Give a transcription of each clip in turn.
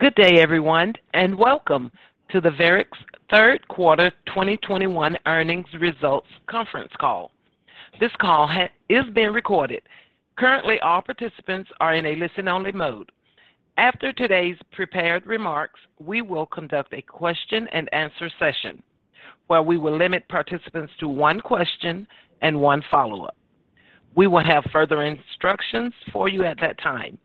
Good day everyone, and welcome to Verisk's Third Quarter 2021 Earnings Results Conference Call. This call is being recorded. Currently, all participants are in a listen-only mode. After today's prepared remarks, we will conduct a question and answer session where we will limit participants to one question and one follow-up. We will have further instructions for you at that time.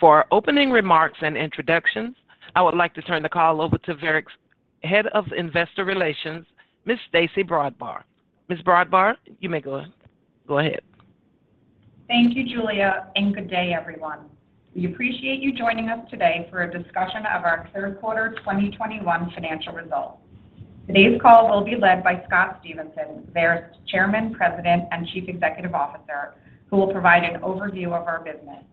For opening remarks and introductions, I would like to turn the call over to Verisk's Head of Investor Relations, Ms. Stacey Brodbar. Ms. Brodbar, you may go ahead. Thank you, Julia, and good day everyone. We appreciate you joining us today for a discussion of our Third Quarter 2021 Financial Results. Today's call will be led by Scott Stephenson, Verisk's Chairman, President, and Chief Executive Officer, who will provide an overview of our business.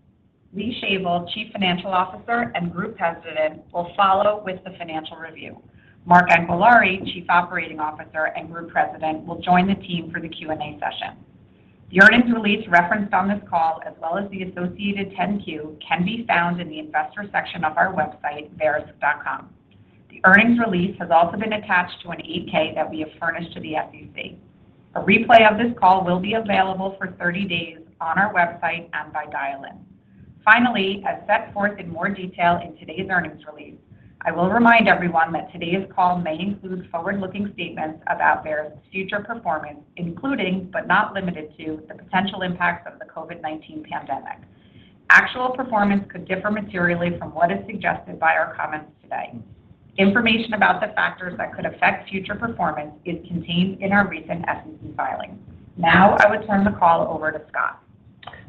Lee Shavel, Chief Financial Officer and Group President, will follow with the financial review. Mark Anquillare, Chief Operating Officer and Group President, will join the team for the Q&A session. The earnings release referenced on this call, as well as the associated 10-Q, can be found in the investor section of our website, verisk.com. The earnings release has also been attached to an 8-K that we have furnished to the SEC. A replay of this call will be available for 30 days on our website and by dial-in. Finally, as set forth in more detail in today's earnings release, I will remind everyone that today's call may include forward-looking statements about Verisk's future performance, including, but not limited to, the potential impacts of the COVID-19 pandemic. Actual performance could differ materially from what is suggested by our comments today. Information about the factors that could affect future performance is contained in our recent SEC filings. Now I would turn the call over to Scott.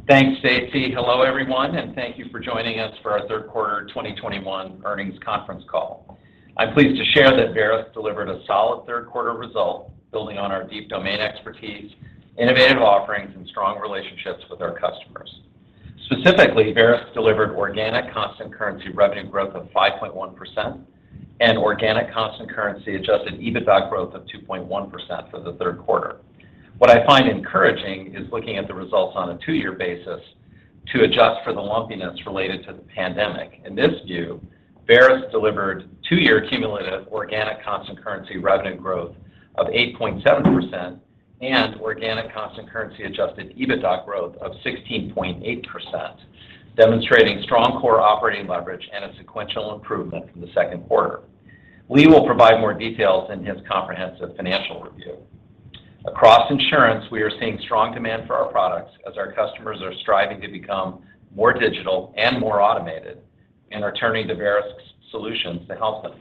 Thanks, Stacy. Hello, everyone, and thank you for joining us for our Third Quarter 2021 Earnings Conference Call. I'm pleased to share that Verisk delivered a solid third quarter result, building on our deep domain expertise, innovative offerings, and strong relationships with our customers. Specifically, Verisk delivered organic constant currency revenue growth of 5.1% and organic constant currency adjusted EBITDA growth of 2.1% for the third quarter. What I find encouraging is looking at the results on a two-year basis to adjust for the lumpiness related to the pandemic. In this view, Verisk delivered two-year cumulative organic constant currency revenue growth of 8.7% and organic constant currency adjusted EBITDA growth of 16.8%, demonstrating strong core operating leverage and a sequential improvement from the second quarter. Lee will provide more details in his comprehensive financial review. Across insurance, we are seeing strong demand for our products as our customers are striving to become more digital and more automated and are turning to Verisk's solutions to help them.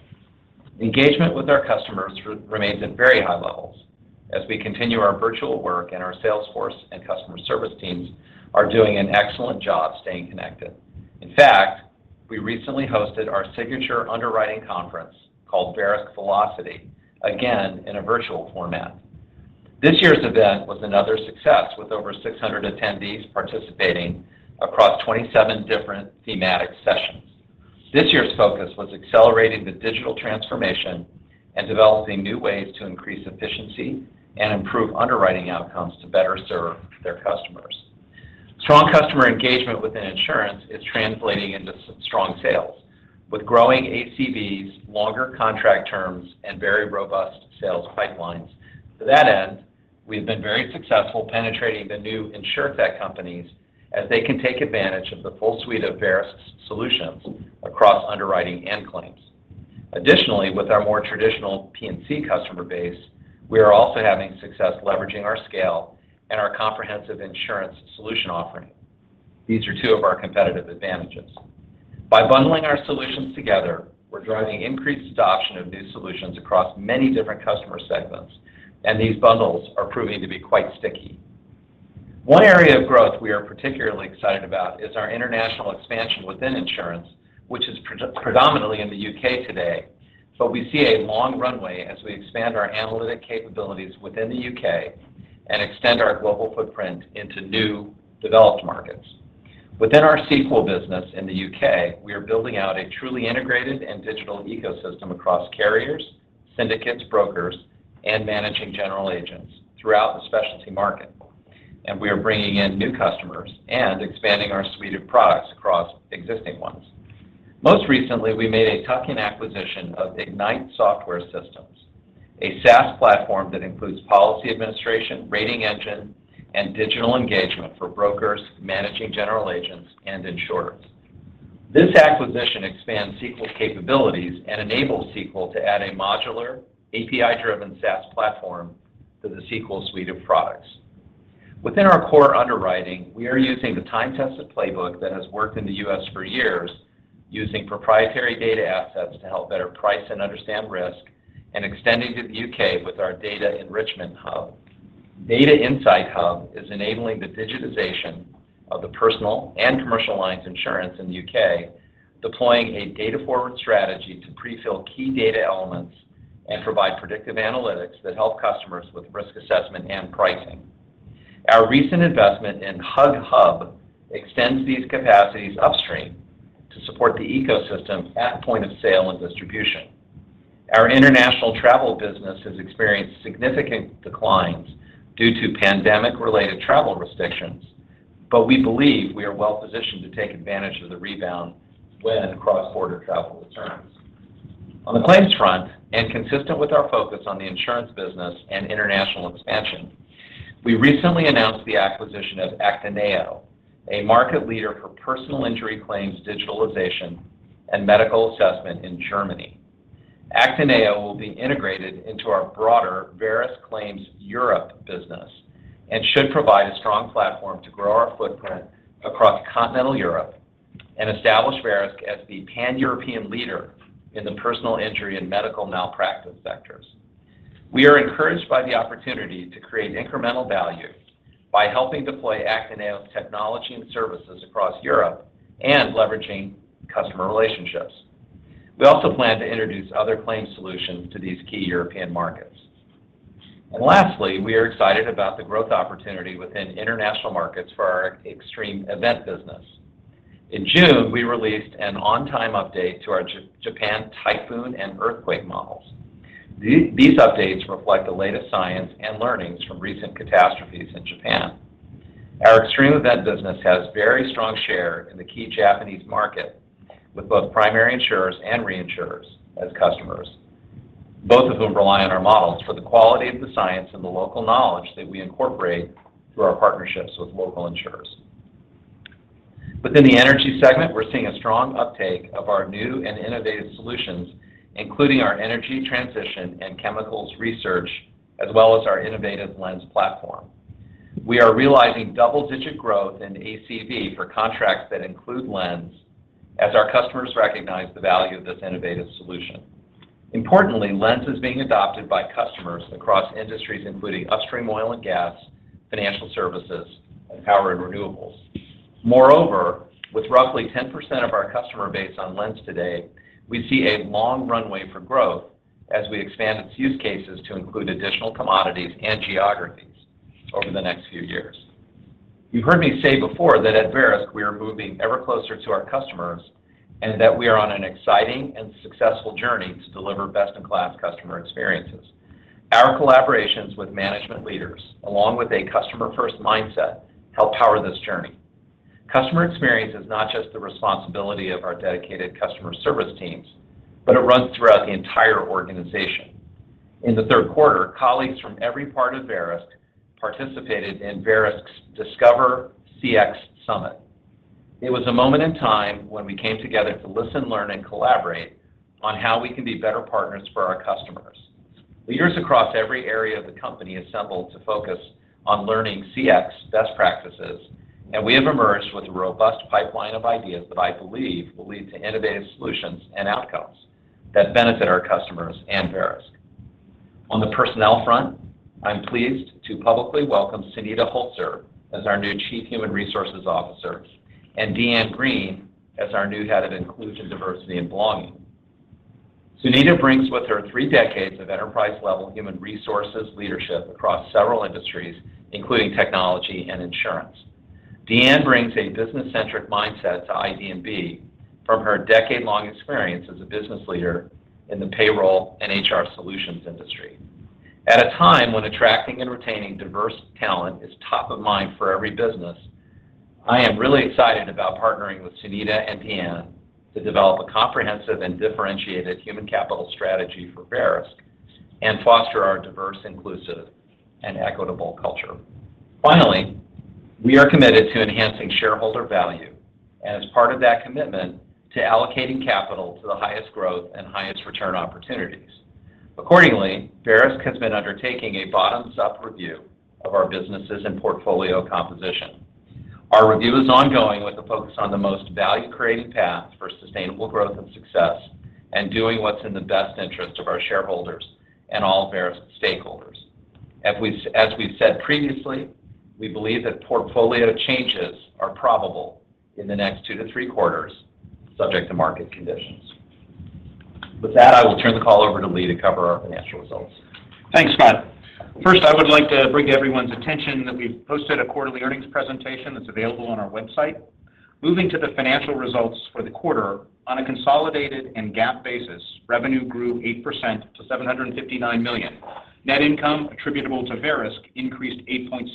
Engagement with our customers remains at very high levels as we continue our virtual work, and our sales force and customer service teams are doing an excellent job staying connected. In fact, we recently hosted our signature underwriting conference called Verisk Velocity, again in a virtual format. This year's event was another success with over 600 attendees participating across 27 different thematic sessions. This year's focus was accelerating the digital transformation and developing new ways to increase efficiency and improve underwriting outcomes to better serve their customers. Strong customer engagement within insurance is translating into strong sales with growing ACVs, longer contract terms, and very robust sales pipelines. To that end, we've been very successful penetrating the new insurtech companies as they can take advantage of the full suite of Verisk's solutions across underwriting and claims. Additionally, with our more traditional P&C customer base, we are also having success leveraging our scale and our comprehensive insurance solution offering. These are two of our competitive advantages. By bundling our solutions together, we're driving increased adoption of new solutions across many different customer segments, and these bundles are proving to be quite sticky. One area of growth we are particularly excited about is our international expansion within insurance, which is predominantly in the U.K. today. We see a long runway as we expand our analytic capabilities within the U.K. and extend our global footprint into new developed markets. Within our Sequel business in the U.K., we are building out a truly integrated and digital ecosystem across carriers, syndicates, brokers, and managing general agents throughout the specialty market. We are bringing in new customers and expanding our suite of products across existing ones. Most recently, we made a tuck-in acquisition of Ignite Software Systems, a SaaS platform that includes policy administration, rating engine, and digital engagement for brokers, managing general agents, and insurers. This acquisition expands Sequel's capabilities and enables Sequel to add a modular API-driven SaaS platform to the Sequel suite of products. Within our core underwriting, we are using the time-tested playbook that has worked in the U.S. for years, using proprietary data assets to help better price and understand risk, and extending to the U.K. with our data enrichment hub. Data Insight Hub is enabling the digitization of the personal and commercial lines insurance in the U.K., deploying a data-forward strategy to pre-fill key data elements and provide predictive analytics that help customers with risk assessment and pricing. Our recent investment in HUG HUB extends these capacities upstream to support the ecosystem at point of sale and distribution. Our international travel business has experienced significant declines due to pandemic-related travel restrictions, but we believe we are well positioned to take advantage of the rebound when cross-border travel returns. On the claims front, and consistent with our focus on the insurance business and international expansion, we recently announced the acquisition of ACTINEO, a market leader for personal injury claims digitalization and medical assessment in Germany. Actineo will be integrated into our broader Verisk Claims Europe business and should provide a strong platform to grow our footprint across continental Europe and establish Verisk as the Pan-European leader in the personal injury and medical malpractice sectors. We are encouraged by the opportunity to create incremental value by helping deploy Actineo's technology and services across Europe and leveraging customer relationships. We also plan to introduce other claims solutions to these key European markets. Lastly, we are excited about the growth opportunity within international markets for our extreme event business. In June, we released an on-time update to our Japan typhoon and earthquake models. These updates reflect the latest science and learnings from recent catastrophes in Japan. Our extreme event business has very strong share in the key Japanese market with both primary insurers and reinsurers as customers, both of whom rely on our models for the quality of the science and the local knowledge that we incorporate through our partnerships with local insurers. Within the energy segment, we're seeing a strong uptake of our new and innovative solutions, including our energy transition and chemicals research, as well as our innovative Lens platform. We are realizing double-digit growth in ACV for contracts that include Lens as our customers recognize the value of this innovative solution. Importantly, Lens is being adopted by customers across industries including upstream oil and gas, financial services, and power and renewables. Moreover, with roughly 10% of our customer base on Lens today, we see a long runway for growth as we expand its use cases to include additional commodities and geographies over the next few years. You've heard me say before that at Verisk we are moving ever closer to our customers, and that we are on an exciting and successful journey to deliver best-in-class customer experiences. Our collaborations with management leaders along with a customer-first mindset help power this journey. Customer experience is not just the responsibility of our dedicated customer service teams, but it runs throughout the entire organization. In the third quarter, colleagues from every part of Verisk participated in Verisk's Discover CX Summit. It was a moment in time when we came together to listen, learn, and collaborate on how we can be better partners for our customers. Leaders across every area of the company assembled to focus on learning CX best practices, and we have emerged with a robust pipeline of ideas that I believe will lead to innovative solutions and outcomes that benefit our customers and Verisk. On the personnel front, I'm pleased to publicly welcome Sunita Holzer as our new Chief Human Resources Officer, and Dianne Greene as our new Head of Inclusion, Diversity, and Belonging. Sunita brings with her three decades of enterprise-level human resources leadership across several industries, including technology and insurance. Dianne brings a business-centric mindset to ID and B from her decade-long experience as a business leader in the payroll and HR solutions industry. At a time when attracting and retaining diverse talent is top of mind for every business, I am really excited about partnering with Sunita and Dianne to develop a comprehensive and differentiated human capital strategy for Verisk and foster our diverse, inclusive, and equitable culture. Finally, we are committed to enhancing shareholder value and as part of that commitment to allocating capital to the highest growth and highest return opportunities. Accordingly, Verisk has been undertaking a bottoms-up review of our businesses and portfolio composition. Our review is ongoing with a focus on the most value-creating path for sustainable growth and success, and doing what's in the best interest of our shareholders and all Verisk stakeholders. As we've said previously, we believe that portfolio changes are probable in the next two to three quarters, subject to market conditions. With that, I will turn the call over to Lee to cover our financial results. Thanks, Scott. First, I would like to bring everyone's attention that we've posted a quarterly earnings presentation that's available on our website. Moving to the financial results for the quarter. On a consolidated and GAAP basis, revenue grew 8% to $759 million. Net income attributable to Verisk increased 8.6%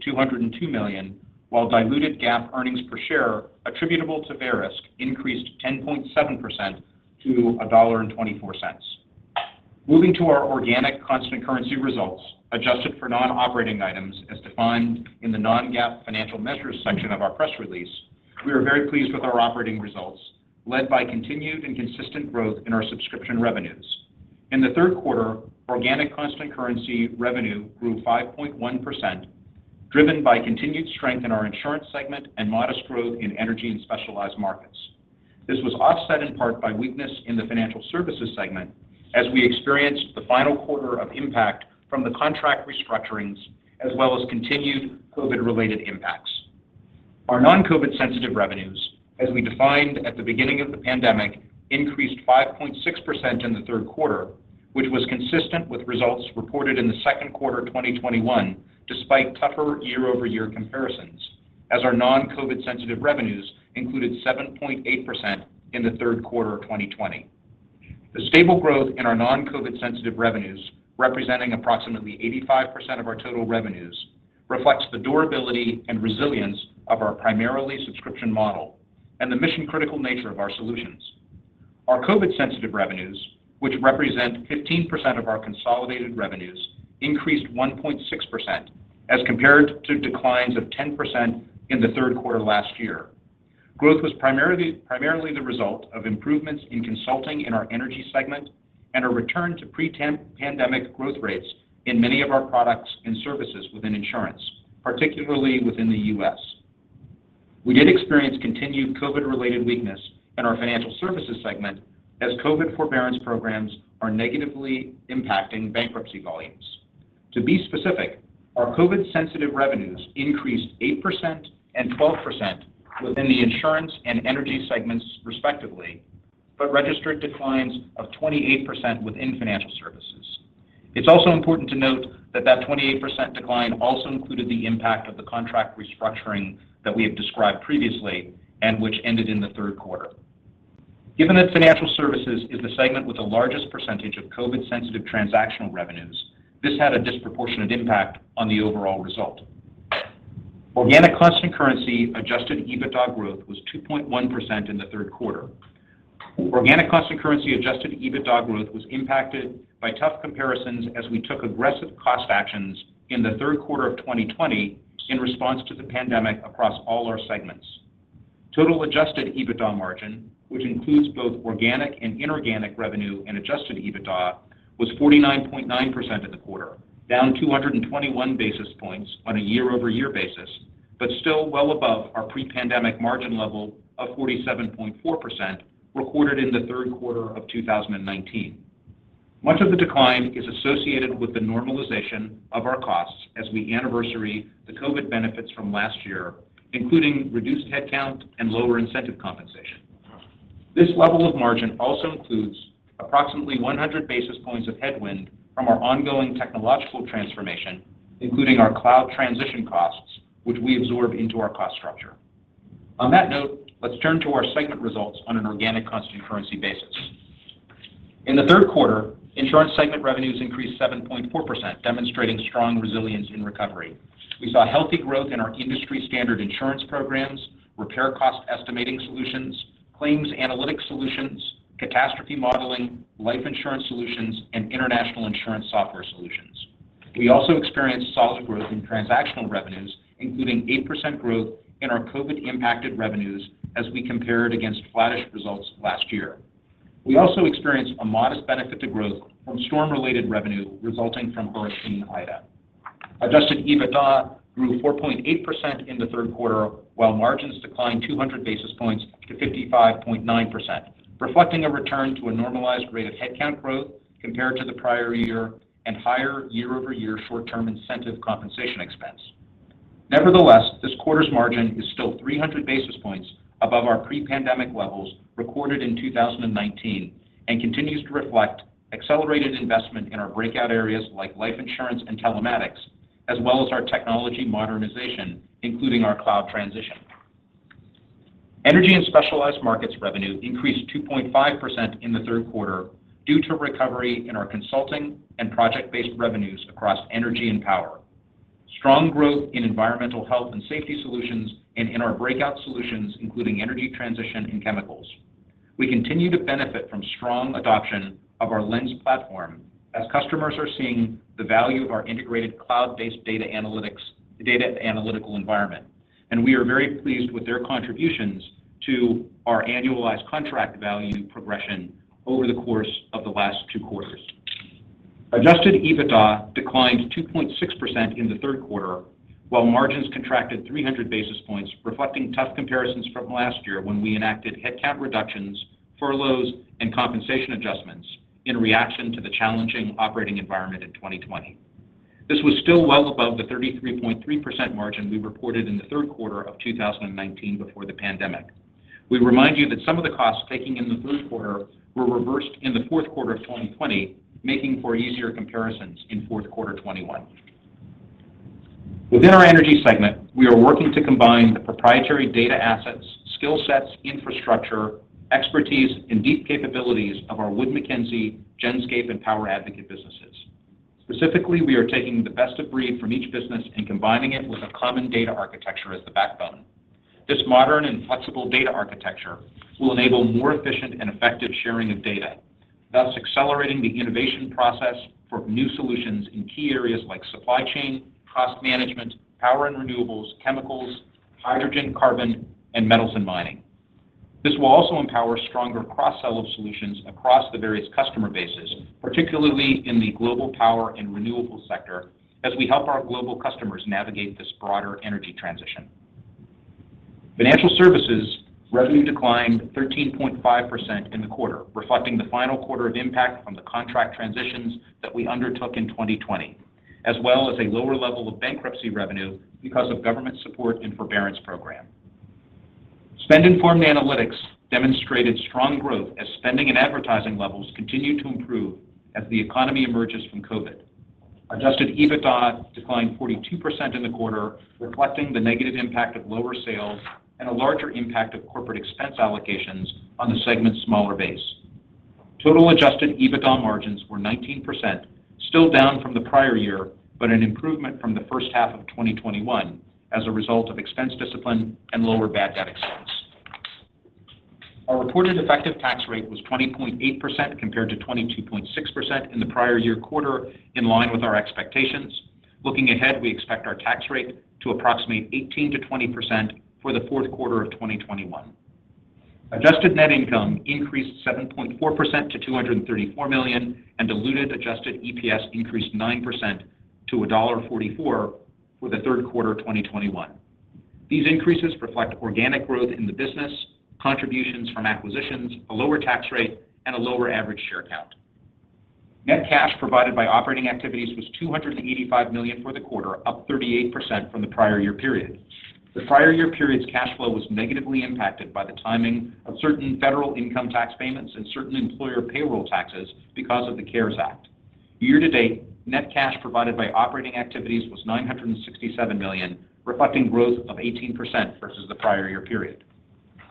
to $202 million, while diluted GAAP earnings per share attributable to Verisk increased 10.7% to $1.24. Moving to our organic constant currency results, adjusted for non-operating items as defined in the non-GAAP financial measures section of our press release, we are very pleased with our operating results led by continued and consistent growth in our subscription revenues. In the third quarter, organic constant currency revenue grew 5.1%, driven by continued strength in our insurance segment and modest growth in energy and specialized markets. This was offset in part by weakness in the financial services segment as we experienced the final quarter of impact from the contract restructurings, as well as continued COVID-related impacts. Our non-COVID-sensitive revenues, as we defined at the beginning of the pandemic, increased 5.6% in the third quarter, which was consistent with results reported in the second quarter of 2021, despite tougher year-over-year comparisons. As our non-COVID-sensitive revenues included 7.8% in the third quarter of 2020. The stable growth in our non-COVID-sensitive revenues, representing approximately 85% of our total revenues, reflects the durability and resilience of our primarily subscription model and the mission-critical nature of our solutions. Our COVID-sensitive revenues, which represent 15% of our consolidated revenues, increased 1.6% as compared to declines of 10% in the third quarter last year. Growth was primarily the result of improvements in consulting in our Energy segment and a return to pre-pandemic growth rates in many of our products and services within Insurance, particularly within the U.S. We did experience continued COVID-related weakness in our Financial Services segment as COVID forbearance programs are negatively impacting bankruptcy volumes. To be specific, our COVID-sensitive revenues increased 8% and 12% within the Insurance and Energy segments, respectively, but registered declines of 28% within Financial Services. It's also important to note that 28% decline also included the impact of the contract restructuring that we have described previously and which ended in the third quarter. Given that financial services is the segment with the largest percentage of COVID sensitive transactional revenues, this had a disproportionate impact on the overall result. Organic constant currency adjusted EBITDA growth was 2.1% in the third quarter. Organic constant currency adjusted EBITDA growth was impacted by tough comparisons as we took aggressive cost actions in the third quarter of 2020 in response to the pandemic across all our segments. Total adjusted EBITDA margin, which includes both organic and inorganic revenue and adjusted EBITDA, was 49.9% in the quarter, down 221 basis points on a year-over-year basis, but still well above our pre-pandemic margin level of 47.4% recorded in the third quarter of 2019. Much of the decline is associated with the normalization of our costs as we anniversary the COVID benefits from last year, including reduced headcount and lower incentive compensation. This level of margin also includes approximately 100 basis points of headwind from our ongoing technological transformation, including our cloud transition costs, which we absorb into our cost structure. On that note, let's turn to our segment results on an organic constant currency basis. In the third quarter, insurance segment revenues increased 7.4%, demonstrating strong resilience in recovery. We saw healthy growth in our industry standard insurance programs, repair cost estimating solutions, claims analytic solutions, catastrophe modeling, life insurance solutions, and international insurance software solutions. We also experienced solid growth in transactional revenues, including 8% growth in our COVID impacted revenues as we compared against flattish results last year. We also experienced a modest benefit to growth from storm-related revenue resulting from Hurricane Ida. Adjusted EBITDA grew 4.8% in the third quarter, while margins declined 200 basis points to 55.9%, reflecting a return to a normalized rate of headcount growth compared to the prior year and higher year-over-year short-term incentive compensation expense. Nevertheless, this quarter's margin is still 300 basis points above our pre-pandemic levels recorded in 2019 and continues to reflect accelerated investment in our breakout areas like life insurance and telematics, as well as our technology modernization, including our cloud transition. Energy and specialized markets revenue increased 2.5% in the third quarter due to recovery in our consulting and project-based revenues across energy and power, strong growth in environmental health and safety solutions, and in our breakout solutions, including energy transition and chemicals. We continue to benefit from strong adoption of our Lens platform as customers are seeing the value of our integrated cloud-based data analytics, data analytical environment, and we are very pleased with their contributions to our annualized contract value progression over the course of the last two quarters. Adjusted EBITDA declined 2.6% in the third quarter while margins contracted 300 basis points, reflecting tough comparisons from last year when we enacted headcount reductions, furloughs, and compensation adjustments in reaction to the challenging operating environment in 2020. This was still well above the 33.3% margin we reported in the third quarter of 2019 before the pandemic. We remind you that some of the costs taken in the third quarter were reversed in the fourth quarter of 2020, making for easier comparisons in fourth quarter 2021. Within our energy segment, we are working to combine the proprietary data assets, skill sets, infrastructure, expertise, and deep capabilities of our Wood Mackenzie, Genscape, and PowerAdvocate businesses. Specifically, we are taking the best of breed from each business and combining it with a common data architecture as the backbone. This modern and flexible data architecture will enable more efficient and effective sharing of data, thus accelerating the innovation process for new solutions in key areas like supply chain, cost management, power and renewables, chemicals, hydrogen, carbon, and metals and mining. This will also empower stronger cross-sell of solutions across the various customer bases, particularly in the global power and renewable sector as we help our global customers navigate this broader energy transition. Financial Services revenue declined 13.5% in the quarter, reflecting the final quarter of impact from the contract transitions that we undertook in 2020, as well as a lower level of bankruptcy revenue because of government support and forbearance programs. Spend-informed analytics demonstrated strong growth as spending and advertising levels continue to improve as the economy emerges from COVID-19. Adjusted EBITDA declined 42% in the quarter, reflecting the negative impact of lower sales and a larger impact of corporate expense allocations on the segment's smaller base. Total adjusted EBITDA margins were 19%, still down from the prior year, but an improvement from the first half of 2021 as a result of expense discipline and lower bad debt expense. Our reported effective tax rate was 20.8% compared to 22.6% in the prior year quarter, in line with our expectations. Looking ahead, we expect our tax rate to approximate 18%-20% for the fourth quarter of 2021. Adjusted net income increased 7.4% to $234 million, and diluted adjusted EPS increased 9% to $1.44 for the third quarter of 2021. These increases reflect organic growth in the business, contributions from acquisitions, a lower tax rate, and a lower average share count. Net cash provided by operating activities was $285 million for the quarter, up 38% from the prior year period. The prior year period's cash flow was negatively impacted by the timing of certain federal income tax payments and certain employer payroll taxes because of the CARES Act. Year to date, net cash provided by operating activities was $967 million, reflecting growth of 18% versus the prior year period.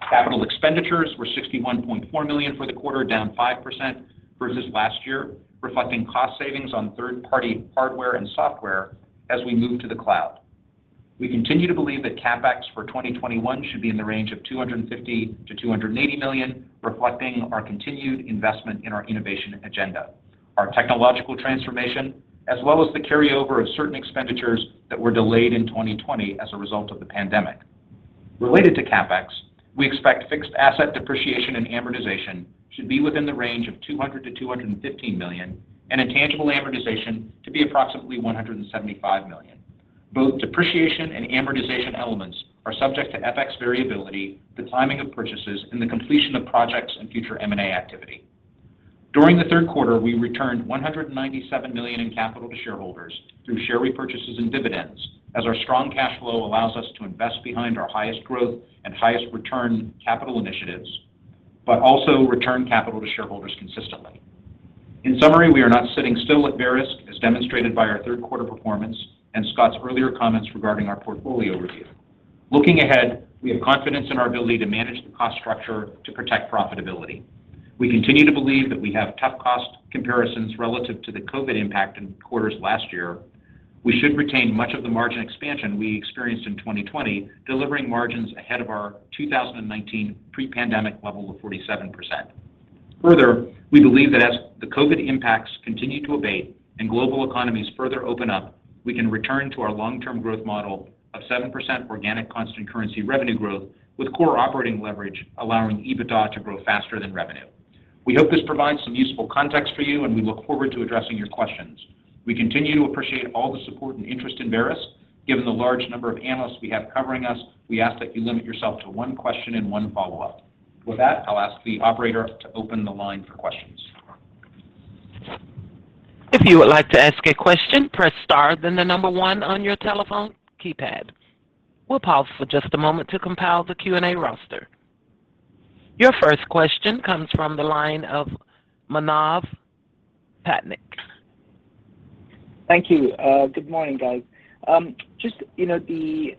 Capital expenditures were $61.4 million for the quarter, down 5% versus last year, reflecting cost savings on third-party hardware and software as we move to the cloud. We continue to believe that CapEx for 2021 should be in the range of $250 million-$280 million, reflecting our continued investment in our innovation agenda, our technological transformation, as well as the carryover of certain expenditures that were delayed in 2020 as a result of the pandemic. Related to CapEx, we expect fixed asset depreciation and amortization should be within the range of $200 million-$215 million, and intangible amortization to be approximately $175 million. Both depreciation and amortization elements are subject to FX variability, the timing of purchases, and the completion of projects and future M&A activity. During the third quarter, we returned $197 million in capital to shareholders through share repurchases and dividends, as our strong cash flow allows us to invest behind our highest growth and highest return capital initiatives, but also return capital to shareholders consistently. In summary, we are not sitting still at Verisk, as demonstrated by our third quarter performance and Scott's earlier comments regarding our portfolio review. Looking ahead, we have confidence in our ability to manage the cost structure to protect profitability. We continue to believe that we have tough cost comparisons relative to the COVID impact in quarters last year. We should retain much of the margin expansion we experienced in 2020, delivering margins ahead of our 2019 pre-pandemic level of 47%. Further, we believe that as the COVID impacts continue to abate and global economies further open up, we can return to our long-term growth model of 7% organic constant currency revenue growth, with core operating leverage allowing EBITDA to grow faster than revenue. We hope this provides some useful context for you, and we look forward to addressing your questions. We continue to appreciate all the support and interest in Verisk. Given the large number of analysts we have covering us, we ask that you limit yourself to one question and one follow-up. With that, I'll ask the operator to open the line for questions. If you would like to ask a question, press star, then the number one on your telephone keypad. We'll pause for just a moment to compile the Q&A roster. Your first question comes from the line of Manav Patnaik. Thank you. Good morning, guys. Just, you know, the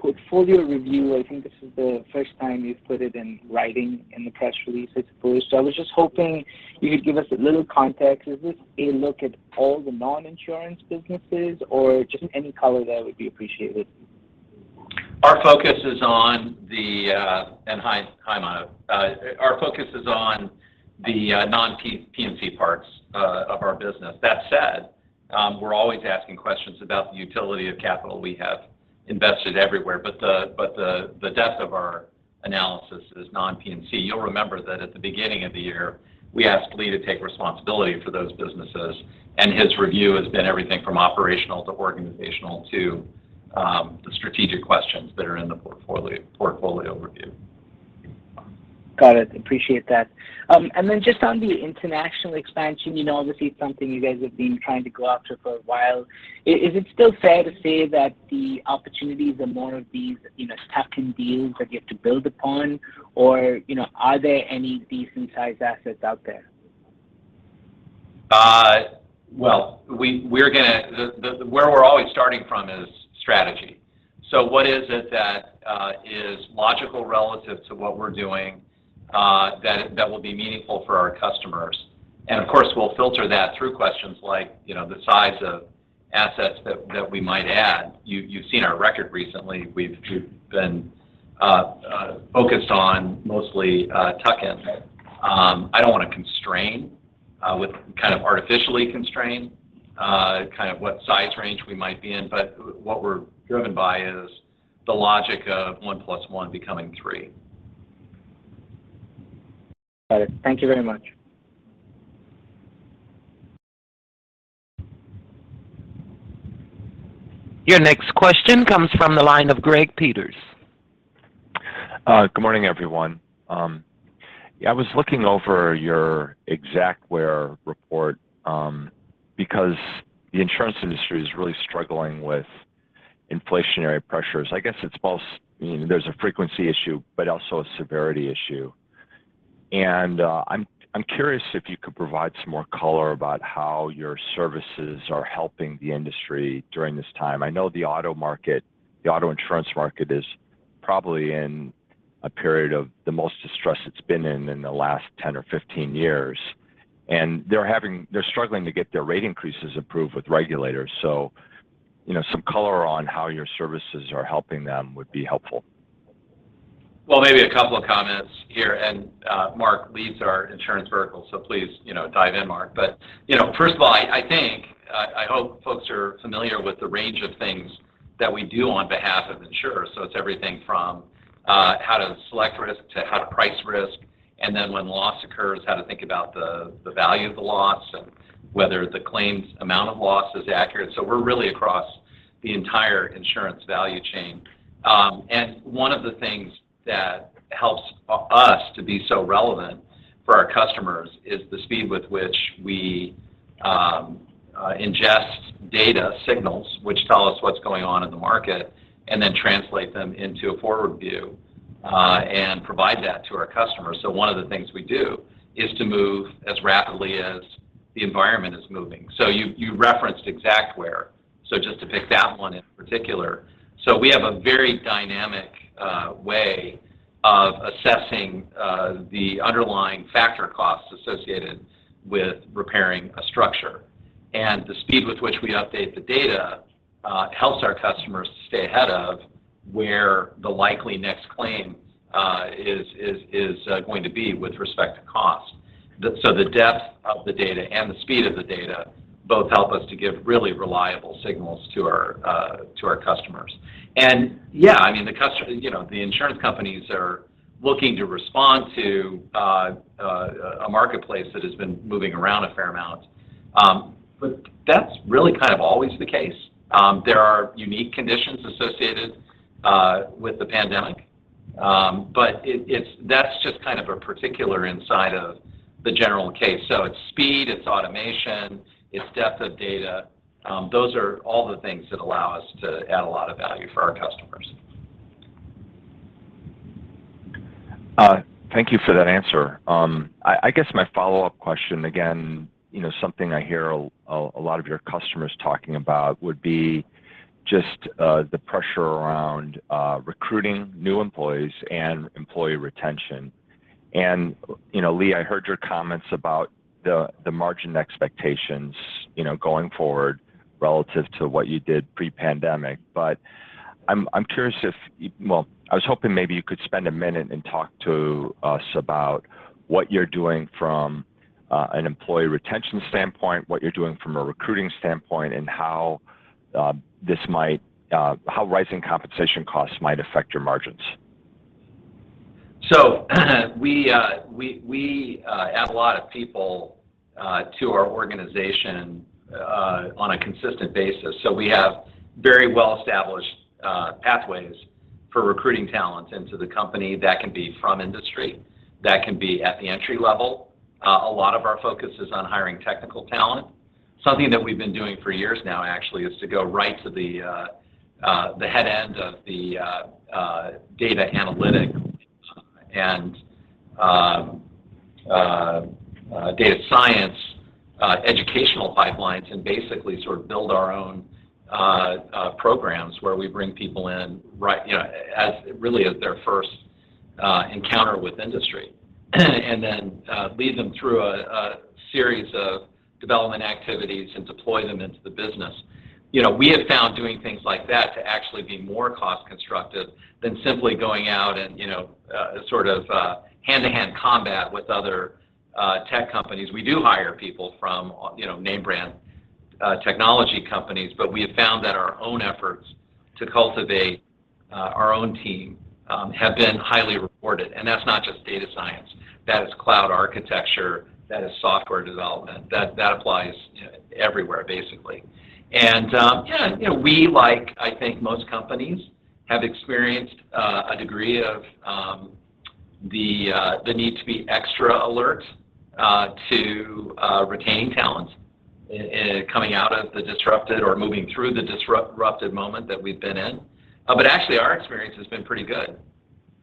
portfolio review, I think this is the first time you've put it in writing in the press release, I suppose. I was just hoping you could give us a little context. Is this a look at all the non-insurance businesses or just any color there would be appreciated. Our focus is on the non-P&C parts of our business. That said, we're always asking questions about the utility of capital we have invested everywhere. The depth of our analysis is non-P&C. You'll remember that at the beginning of the year, we asked Lee to take responsibility for those businesses, and his review has been everything from operational to organizational to the strategic questions that are in the portfolio review. Got it. Appreciate that. Just on the international expansion, you know, obviously it's something you guys have been trying to go after for a while. Is it still fair to say that the opportunities are more of these, you know, tuck-in deals that you have to build upon? Or, you know, are there any decent sized assets out there? Where we're always starting from is strategy. What is it that is logical relative to what we're doing that will be meaningful for our customers? And of course, we'll filter that through questions like, you know, the size of assets that we might add. You've seen our record recently. We've been focused on mostly tuck-ins. I don't want to artificially constrain what size range we might be in, what we're driven by is the logic of one plus one becoming three. Got it. Thank you very much. Your next question comes from the line of Greg Peters. Good morning, everyone. Yeah, I was looking over your Xactware report because the insurance industry is really struggling with inflationary pressures. I guess it's both, you know, there's a frequency issue but also a severity issue. I'm curious if you could provide some more color about how your services are helping the industry during this time. I know the auto market, the auto insurance market is probably in a period of the most distress it's been in in the last 10 or 15 years, and they're struggling to get their rate increases approved with regulators. You know, some color on how your services are helping them would be helpful. Well, maybe a couple of comments here. Mark leads our insurance vertical, so please, you know, dive in, Mark. You know, first of all, I think I hope folks are familiar with the range of things that we do on behalf of insurers. It's everything from how to select risk to how to price risk, and then when loss occurs, how to think about the value of the loss and whether the claimed amount of loss is accurate. We're really across the entire insurance value chain. One of the things that helps us to be so relevant for our customers is the speed with which we ingest data signals, which tell us what's going on in the market and then translate them into a forward view and provide that to our customers. One of the things we do is to move as rapidly as the environment is moving. You referenced Xactware, just to pick that one in particular. We have a very dynamic way of assessing the underlying factor costs associated with repairing a structure. The speed with which we update the data helps our customers stay ahead of where the likely next claim is going to be with respect to cost. The depth of the data and the speed of the data both help us to give really reliable signals to our customers. Yeah, I mean, the customer, you know, the insurance companies are looking to respond to a marketplace that has been moving around a fair amount. That's really kind of always the case. There are unique conditions associated with the pandemic. It's just kind of a particular instance of the general case. It's speed, it's automation, it's depth of data. Those are all the things that allow us to add a lot of value for our customers. Thank you for that answer. I guess my follow-up question, again, you know, something I hear a lot of your customers talking about would be just the pressure around recruiting new employees and employee retention. You know, Lee, I heard your comments about the margin expectations, you know, going forward relative to what you did pre-pandemic. I'm curious. Well, I was hoping maybe you could spend a minute and talk to us about what you're doing from an employee retention standpoint, what you're doing from a recruiting standpoint, and how rising compensation costs might affect your margins. We add a lot of people to our organization on a consistent basis. We have very well-established pathways for recruiting talent into the company that can be from industry, that can be at the entry level. A lot of our focus is on hiring technical talent. Something that we've been doing for years now, actually, is to go right to the head end of the data analytics and data science educational pipelines and basically sort of build our own programs where we bring people in, right, you know, as really as their first encounter with industry and then lead them through a series of development activities and deploy them into the business. You know, we have found doing things like that to actually be more cost-constructive than simply going out and, you know, sort of, hand-to-hand combat with other, tech companies. We do hire people from, you know, name brand, technology companies, but we have found that our own efforts to cultivate, our own team, have been highly rewarded. That's not just data science. That is cloud architecture. That is software development. That applies everywhere, basically. You know, we, like I think most companies, have experienced a degree of the need to be extra alert to retain talent coming out of the disrupted or moving through the disrupted moment that we've been in. Actually, our experience has been pretty good.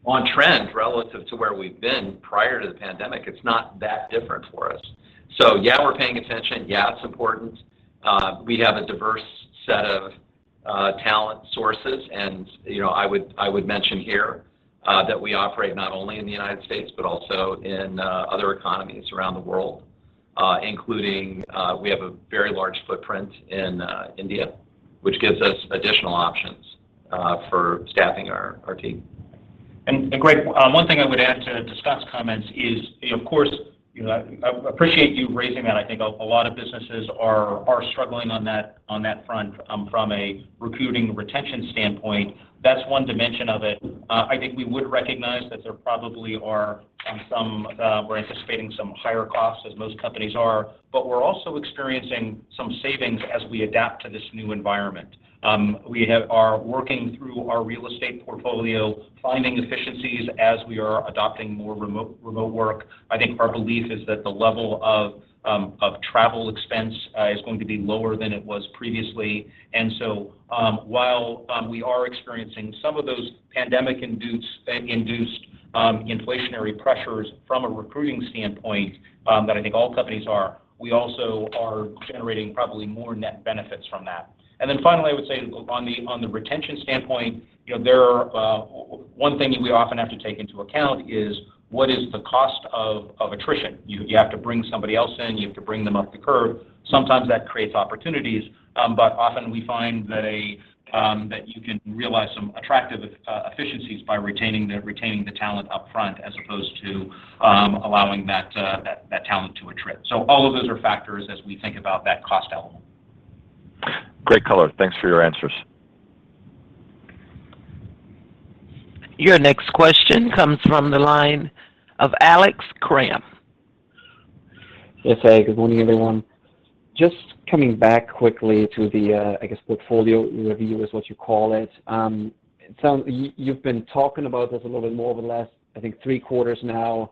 On trend, relative to where we've been prior to the pandemic, it's not that different for us. Yeah, we're paying attention. Yeah, it's important. We have a diverse set of talent sources and, you know, I would mention here that we operate not only in the United States, but also in other economies around the world, including we have a very large footprint in India, which gives us additional options for staffing our team. Greg, one thing I would add to Scott's comments is, you know, of course, you know, I appreciate you raising that. I think a lot of businesses are struggling on that front from a recruiting retention standpoint. That's one dimension of it. I think we would recognize that there probably are some we're anticipating some higher costs as most companies are, but we're also experiencing some savings as we adapt to this new environment. We are working through our real estate portfolio, finding efficiencies as we are adopting more remote work. I think our belief is that the level of travel expense is going to be lower than it was previously. While we are experiencing some of those pandemic-induced inflationary pressures from a recruiting standpoint that I think all companies are. We also are generating probably more net benefits from that. Finally, I would say on the retention standpoint, you know, there are one thing that we often have to take into account is what is the cost of attrition. You have to bring somebody else in, you have to bring them up the curve. Sometimes that creates opportunities, but often we find that you can realize some attractive efficiencies by retaining the talent upfront as opposed to allowing that talent to attrit. All of those are factors as we think about that cost element. Great color. Thanks for your answers. Your next question comes from the line of Alex Kramm. Yes. Hey, good morning, everyone. Just coming back quickly to the, I guess, portfolio review is what you call it. So you've been talking about this a little bit more over the last, I think, three quarters now,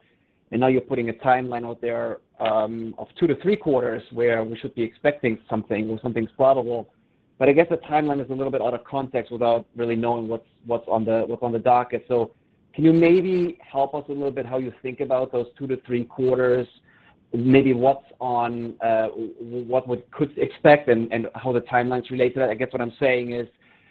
and now you're putting a timeline out there, of two to three quarters where we should be expecting something or something notable. I guess the timeline is a little bit out of context without really knowing what's on the docket. So can you maybe help us a little bit how you think about those two to three quarters? Maybe what we could expect and how the timelines relate to that? I guess what I'm saying is,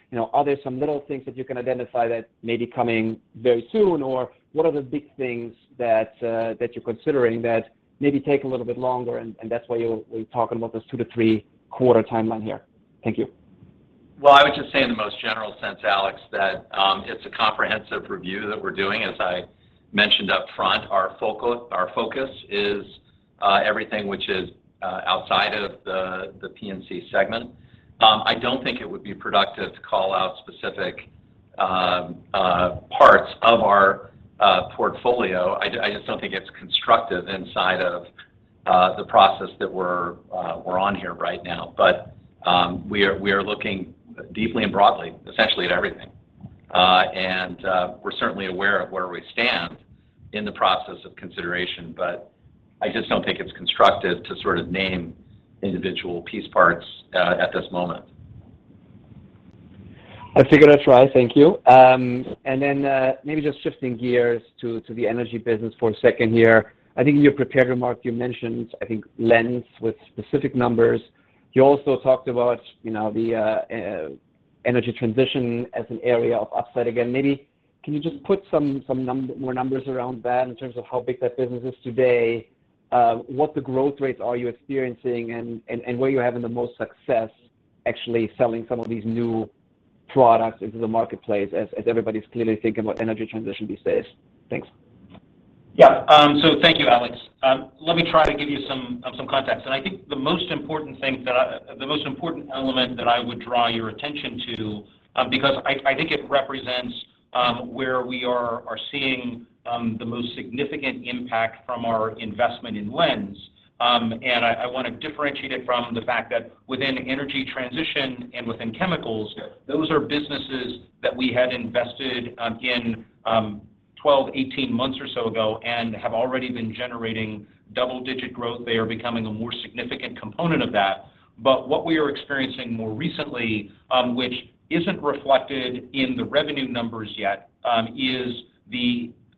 you know, are there some little things that you can identify that may be coming very soon? What are the big things that you're considering that maybe take a little bit longer, and that's why you're talking about this two to three quarter timeline here? Thank you. Well, I would just say in the most general sense, Alex, that it's a comprehensive review that we're doing. As I mentioned upfront, our focus is everything which is outside of the P&C segment. I don't think it would be productive to call out specific parts of our portfolio. I just don't think it's constructive inside of the process that we're on here right now. We are looking deeply and broadly, essentially at everything. We're certainly aware of where we stand in the process of consideration, but I just don't think it's constructive to sort of name individual piece parts at this moment. I figured I'd try. Thank you. Maybe just shifting gears to the energy business for a second here. I think in your prepared remark, you mentioned, I think, Lens with specific numbers. You also talked about, you know, the energy transition as an area of upside. Again, maybe can you just put some more numbers around that in terms of how big that business is today? What the growth rates are you experiencing and where you're having the most success actually selling some of these new products into the marketplace as everybody's clearly thinking about energy transition these days. Thanks. Yeah. Thank you, Alex. Let me try to give you some context. I think the most important element that I would draw your attention to, because I think it represents where we are seeing the most significant impact from our investment in Lens. I want to differentiate it from the fact that within energy transition and within chemicals, those are businesses that we had invested in 12, 18 months or so ago and have already been generating double-digit growth. They are becoming a more significant component of that. What we are experiencing more recently, which isn't reflected in the revenue numbers yet, is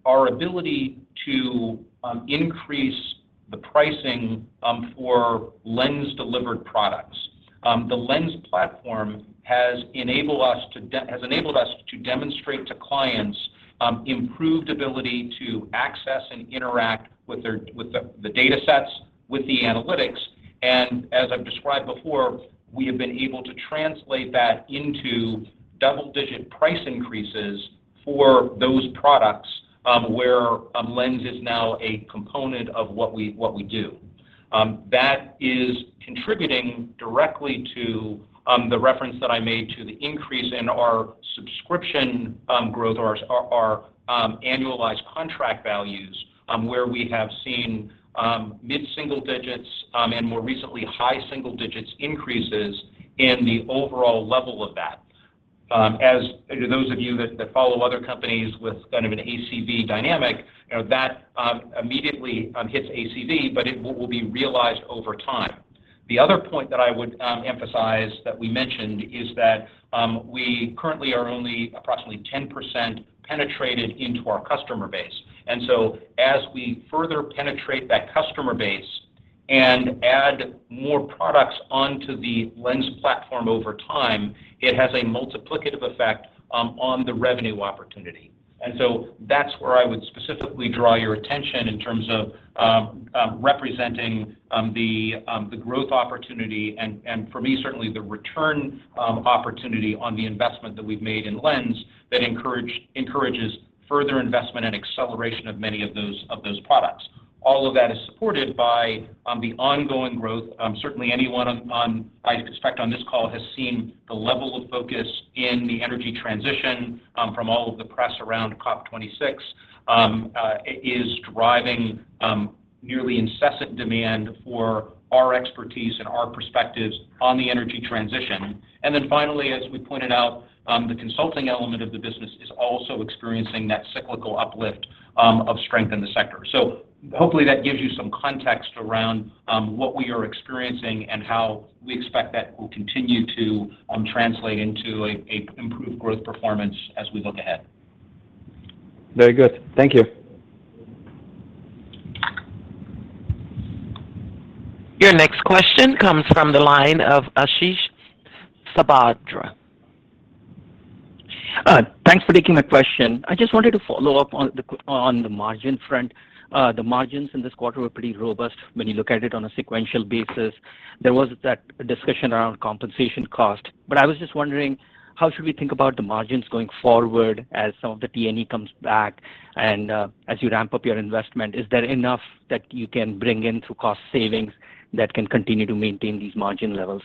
our ability to increase the pricing for Lens-delivered products. The Lens platform has enabled us to demonstrate to clients improved ability to access and interact with the datasets, with the analytics. As I've described before, we have been able to translate that into double-digit price increases for those products, where Lens is now a component of what we do. That is contributing directly to the reference that I made to the increase in our subscription growth or our annualized contract values, where we have seen mid-single digits and more recently high single digits increases in the overall level of that. As those of you that follow other companies with kind of an ACV dynamic, you know, that immediately hits ACV, but it will be realized over time. The other point that I would emphasize that we mentioned is that we currently are only approximately 10% penetrated into our customer base. As we further penetrate that customer base and add more products onto the Lens platform over time, it has a multiplicative effect on the revenue opportunity. That's where I would specifically draw your attention in terms of representing the growth opportunity and for me, certainly the return opportunity on the investment that we've made in Lens that encourages further investment and acceleration of many of those products. All of that is supported by the ongoing growth. Certainly anyone on this call has seen the level of focus in the energy transition from all of the press around COP26 is driving nearly incessant demand for our expertise and our perspectives on the energy transition. Then finally, as we pointed out, the consulting element of the business is also experiencing that cyclical uplift of strength in the sector. Hopefully that gives you some context around what we are experiencing and how we expect that will continue to translate into a improved growth performance as we look ahead. Very good. Thank you. Your next question comes from the line of Ashish Sabadra. Thanks for taking my question. I just wanted to follow up on the margin front. The margins in this quarter were pretty robust when you look at it on a sequential basis. There was that discussion around compensation cost. I was just wondering, how should we think about the margins going forward as some of the T&E comes back and as you ramp up your investment? Is there enough that you can bring in through cost savings that can continue to maintain these margin levels?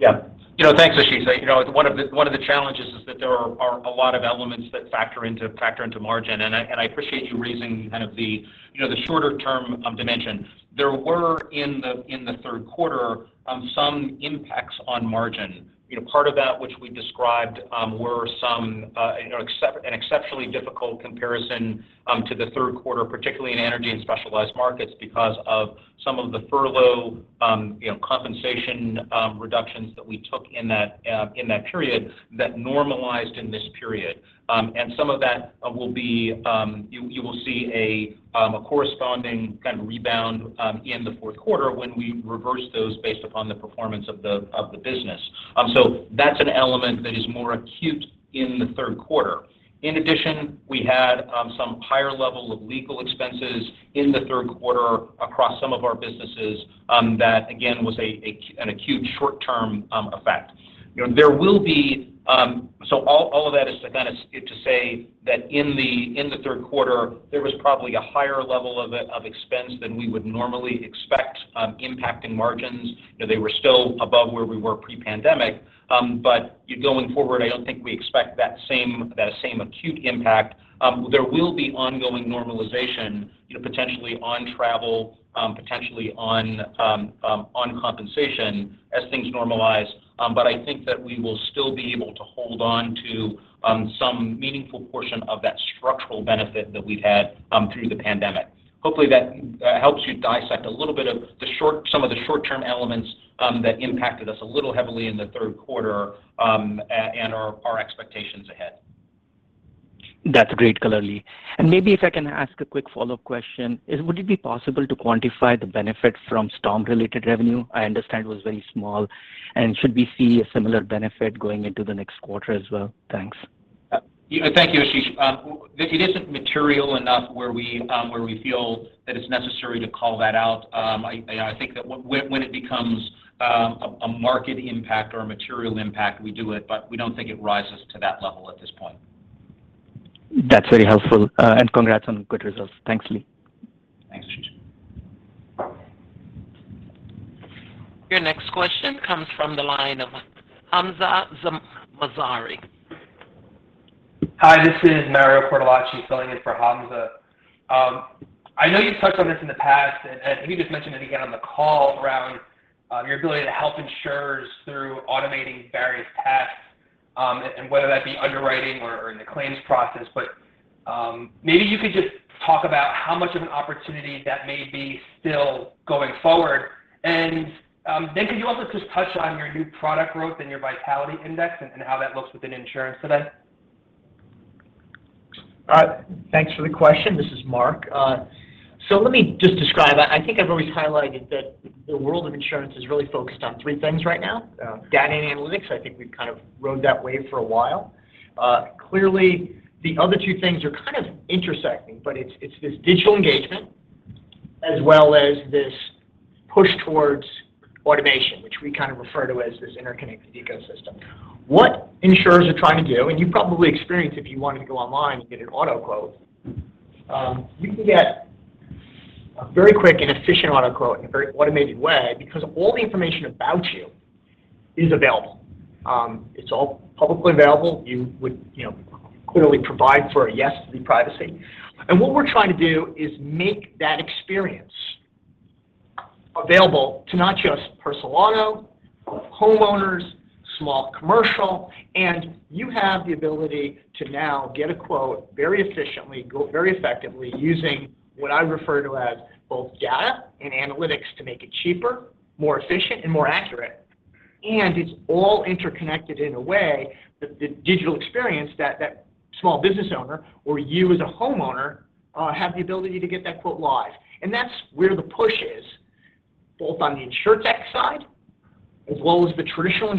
Thanks. Yeah. You know, thanks, Ashish. You know, one of the challenges is that there are a lot of elements that factor into margin, and I appreciate you raising kind of the shorter term dimension. There were in the third quarter some impacts on margin. You know, part of that which we described were some, you know, an exceptionally difficult comparison to the third quarter, particularly in energy and specialized markets because of some of the furlough compensation reductions that we took in that period that normalized in this period. Some of that will be a corresponding kind of rebound in the fourth quarter when we reverse those based upon the performance of the business. That's an element that is more acute in the third quarter. In addition, we had some higher level of legal expenses in the third quarter across some of our businesses, that again was an acute short-term effect. You know, all of that is to kind of to say that in the third quarter, there was probably a higher level of expense than we would normally expect, impacting margins. You know, they were still above where we were pre-pandemic. Going forward, I don't think we expect that same acute impact. There will be ongoing normalization, you know, potentially on travel, potentially on compensation as things normalize. But I think that we will still be able to hold on to some meaningful portion of that structural benefit that we've had through the pandemic. Hopefully that helps you dissect a little bit of some of the short-term elements that impacted us a little heavily in the third quarter, and our expectations ahead. That's great. Clearly. Maybe if I can ask a quick follow-up question. Would it be possible to quantify the benefit from storm-related revenue? I understand it was very small. Should we see a similar benefit going into the next quarter as well? Thanks. Thank you, Ashish. It isn't material enough where we feel that it's necessary to call that out. I think that when it becomes a market impact or a material impact, we do it, but we don't think it rises to that level at this point. That's very helpful. Congrats on good results. Thanks, Lee. Thanks, Ashish. Your next question comes from the line of Hamzah Mazari. Hi, this is Mario Cortellacci filling in for Hamzah. I know you've touched on this in the past, and maybe just mention it again on the call around your ability to help insurers through automating various tasks, and whether that be underwriting or in the claims process. Maybe you could just talk about how much of an opportunity that may be still going forward. Then could you also just touch on your new product growth and your vitality index and how that looks within insurance today? Thanks for the question. This is Mark. So let me just describe. I think I've always highlighted that the world of insurance is really focused on three things right now. Data and analytics, I think we've kind of rode that wave for a while. Clearly the other two things are kind of intersecting, but it's this digital engagement as well as this push towards automation, which we kind of refer to as this interconnected ecosystem. What insurers are trying to do, and you've probably experienced if you wanted to go online and get an auto quote, you can get a very quick and efficient auto quote in a very automated way because all the information about you is available. It's all publicly available. You would, you know, clearly provide for a yes to the privacy. What we're trying to do is make that experience available to not just personal auto, homeowners, small commercial, and you have the ability to now get a quote very efficiently, go very effectively using what I refer to as both data and analytics to make it cheaper, more efficient, and more accurate. It's all interconnected in a way that the digital experience that that small business owner or you as a homeowner have the ability to get that quote live. That's where the push is, both on the insurtech side as well as the traditional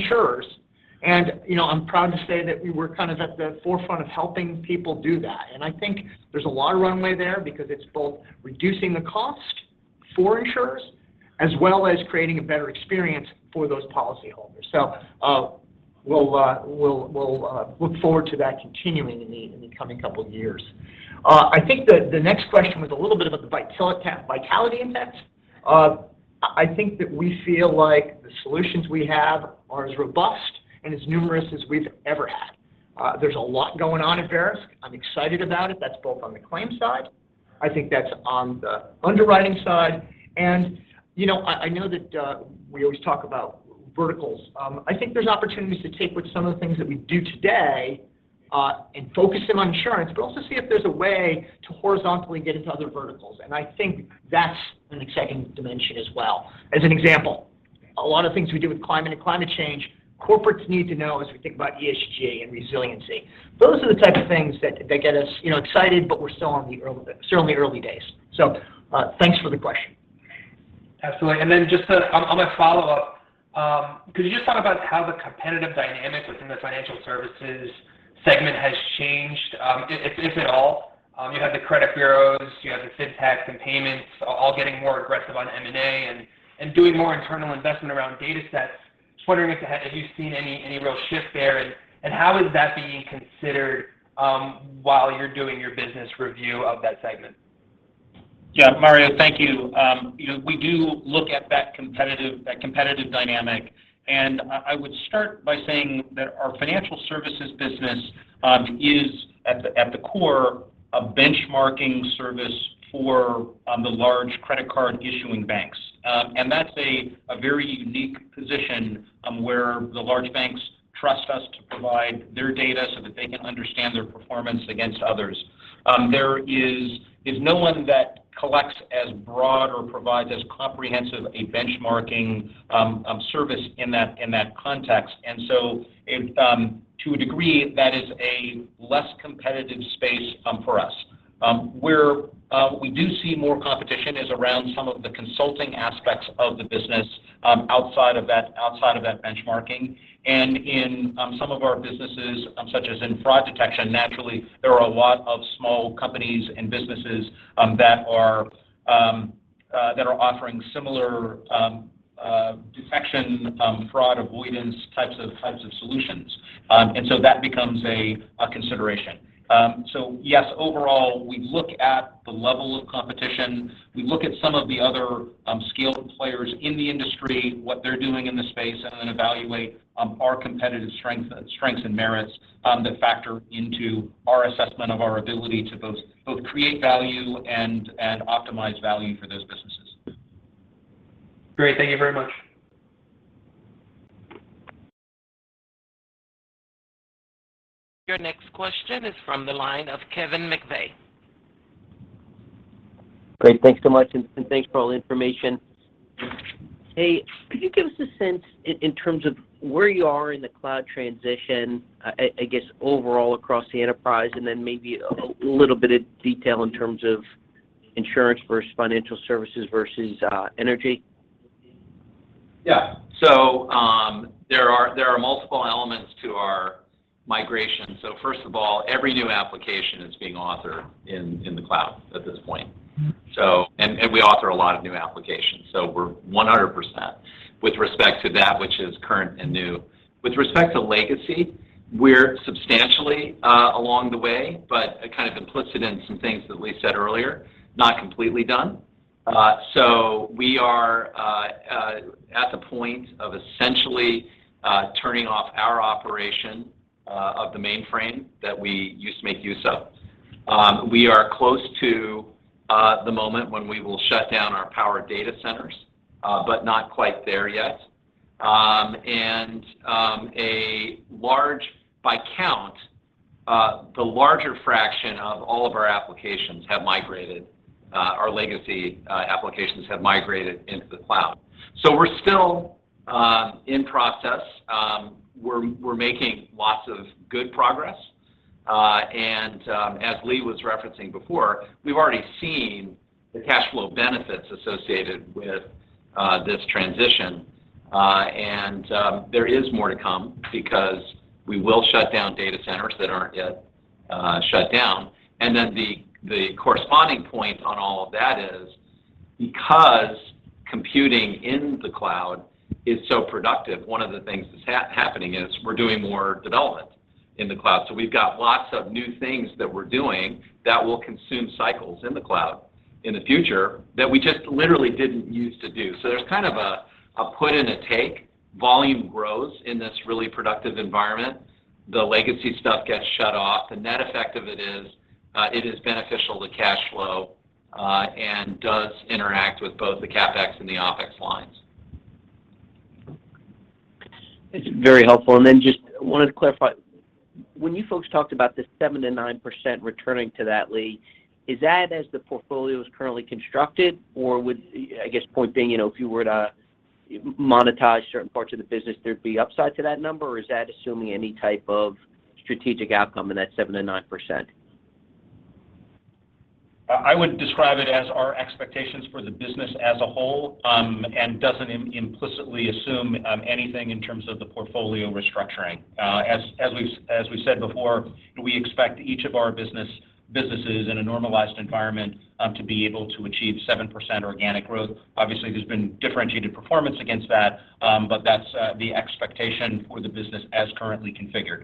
insurers. You know, I'm proud to say that we work kind of at the forefront of helping people do that. I think there's a lot of runway there because it's both reducing the cost for insurers as well as creating a better experience for those policy holders. We'll look forward to that continuing in the coming couple of years. I think the next question was a little bit about the vitality index. I think that we feel like the solutions we have are as robust and as numerous as we've ever had. There's a lot going on at Verisk. I'm excited about it. That's both on the claims side, I think that's on the underwriting side. You know, I know that we always talk about verticals. I think there's opportunities to take with some of the things that we do today and focus them on insurance, but also see if there's a way to horizontally get into other verticals. I think that's an exciting dimension as well. As an example, a lot of things we do with climate and climate change, corporates need to know as we think about ESG and resiliency. Those are the types of things that get us, you know, excited, but we're still in the early, certainly early days. Thanks for the question. Absolutely. On my follow-up, could you just talk about how the competitive dynamics within the financial services segment has changed, if at all? You have the credit bureaus, you have the FinTechs and payments all getting more aggressive on M&A and doing more internal investment around data sets. Just wondering if you've seen any real shift there, and how is that being considered while you're doing your business review of that segment? Yeah. Mario, thank you. You know, we do look at that competitive dynamic. I would start by saying that our financial services business is at the core a benchmarking service for the large credit card issuing banks. That's a very unique position where the large banks trust us to provide their data so that they can understand their performance against others. There is no one that collects as broad or provides as comprehensive a benchmarking service in that context. To a degree, that is a less competitive space for us. Where we do see more competition is around some of the consulting aspects of the business outside of that benchmarking. In some of our businesses, such as in fraud detection, naturally, there are a lot of small companies and businesses that are offering similar detection fraud avoidance types of solutions. That becomes a consideration. Yes, overall, we look at the level of competition. We look at some of the other skilled players in the industry, what they're doing in the space, and then evaluate our competitive strengths and merits that factor into our assessment of our ability to both create value and optimize value for those businesses. Great. Thank you very much. Your next question is from the line of Kevin McVeigh. Great. Thanks so much, and thanks for all the information. Hey, could you give us a sense in terms of where you are in the cloud transition, I guess overall across the enterprise, and then maybe a little bit of detail in terms of insurance versus financial services versus energy? Yeah. There are multiple elements to our migration. First of all, every new application is being authored in the cloud at this point. We author a lot of new applications, so we're 100% with respect to that which is current and new. With respect to legacy, we're substantially along the way, but kind of implicit in some things that Lee said earlier, not completely done. We are at the point of essentially turning off our operation of the mainframe that we used to make use of. We are close to the moment when we will shut down our power data centers, but not quite there yet. By count, the larger fraction of all of our applications, our legacy applications, have migrated into the cloud. We're still in process. We're making lots of good progress. As Lee was referencing before, we've already seen the cash flow benefits associated with this transition. There is more to come because we will shut down data centers that aren't yet shut down. The corresponding point on all of that is because computing in the cloud is so productive, one of the things that's happening is we're doing more development in the cloud. We've got lots of new things that we're doing that will consume cycles in the cloud in the future that we just literally didn't used to do. There's kind of a put and a take. Volume grows in this really productive environment. The legacy stuff gets shut off. The net effect of it is it is beneficial to cash flow and does interact with both the CapEx and the OpEx lines. It's very helpful. Then just wanted to clarify. When you folks talked about the 7%-9% returning to that, Lee, is that as the portfolio is currently constructed, or would, I guess, point being, you know, if you were to monetize certain parts of the business, there'd be upside to that number, or is that assuming any type of strategic outcome in that 7%-9%? I would describe it as our expectations for the business as a whole, and doesn't implicitly assume anything in terms of the portfolio restructuring. As we've said before, we expect each of our businesses in a normalized environment to be able to achieve 7% organic growth. Obviously, there's been differentiated performance against that, but that's the expectation for the business as currently configured.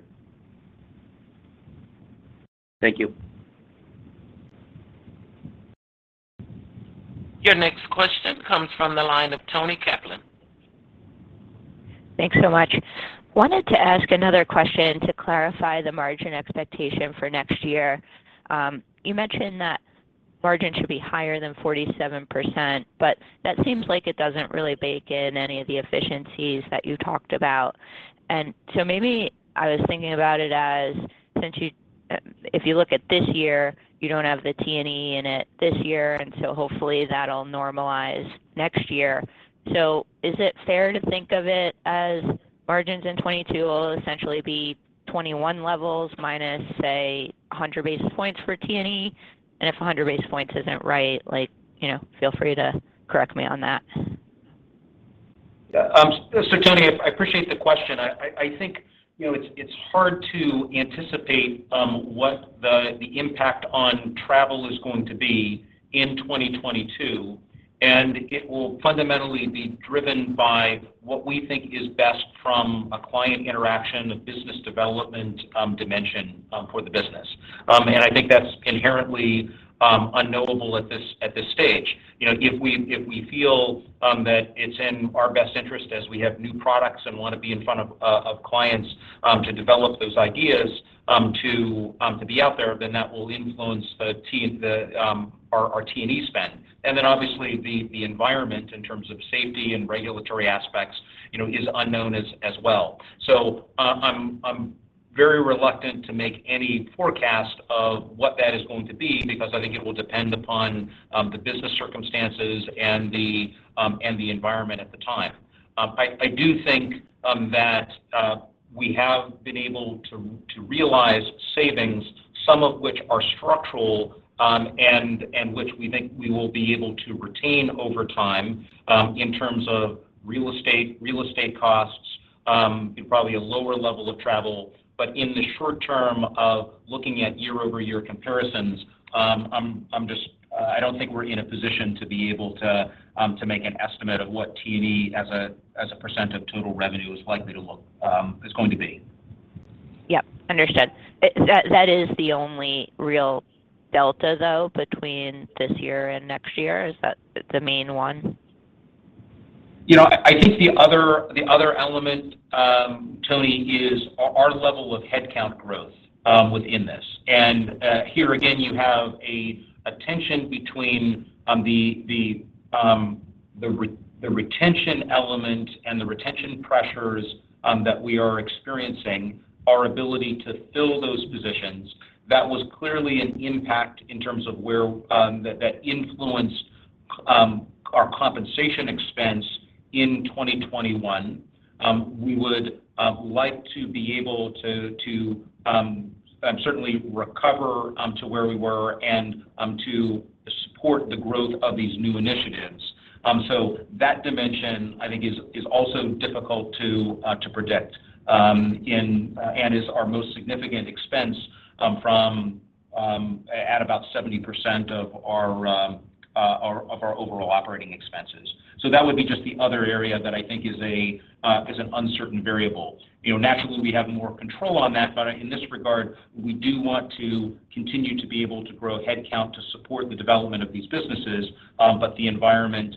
Thank you. Your next question comes from the line of Toni Kaplan. Thanks so much. I wanted to ask another question to clarify the margin expectation for next year. You mentioned that margin should be higher than 47%, but that seems like it doesn't really bake in any of the efficiencies that you talked about. Maybe I was thinking about it, if you look at this year, you don't have the T&E in it this year, and so hopefully that'll normalize next year. Is it fair to think of it as margins in 2022 will essentially be 2021 levels minus, say, 100 basis points for T&E? If 100 basis points isn't right, like, you know, feel free to correct me on that. Yeah. Toni, I appreciate the question. I think, you know, it's hard to anticipate what the impact on travel is going to be in 2022, and it will fundamentally be driven by what we think is best from a client interaction, a business development dimension for the business. I think that's inherently unknowable at this stage. You know, if we feel that it's in our best interest as we have new products and wanna be in front of clients to develop those ideas to be out there, then that will influence our T&E spend. Obviously the environment in terms of safety and regulatory aspects, you know, is unknown as well. I'm very reluctant to make any forecast of what that is going to be because I think it will depend upon the business circumstances and the environment at the time. I do think that we have been able to realize savings, some of which are structural, and which we think we will be able to retain over time, in terms of real estate costs, probably a lower level of travel. In the short term of looking at year-over-year comparisons, I'm just I don't think we're in a position to be able to make an estimate of what T&E as a percent of total revenue is likely to look is going to be. Yep. Understood. That is the only real delta though between this year and next year? Is that the main one? You know, I think the other element, Toni, is our level of headcount growth within this. Here again, you have a tension between the retention element and the retention pressures that we are experiencing, our ability to fill those positions. That was clearly an impact in terms of where that influenced our compensation expense in 2021. We would like to be able to certainly recover to where we were and to support the growth of these new initiatives. That dimension I think is also difficult to predict and is our most significant expense at about 70% of our overall operating expenses. That would be just the other area that I think is an uncertain variable. You know, naturally we have more control on that, but in this regard, we do want to continue to be able to grow headcount to support the development of these businesses, but the environment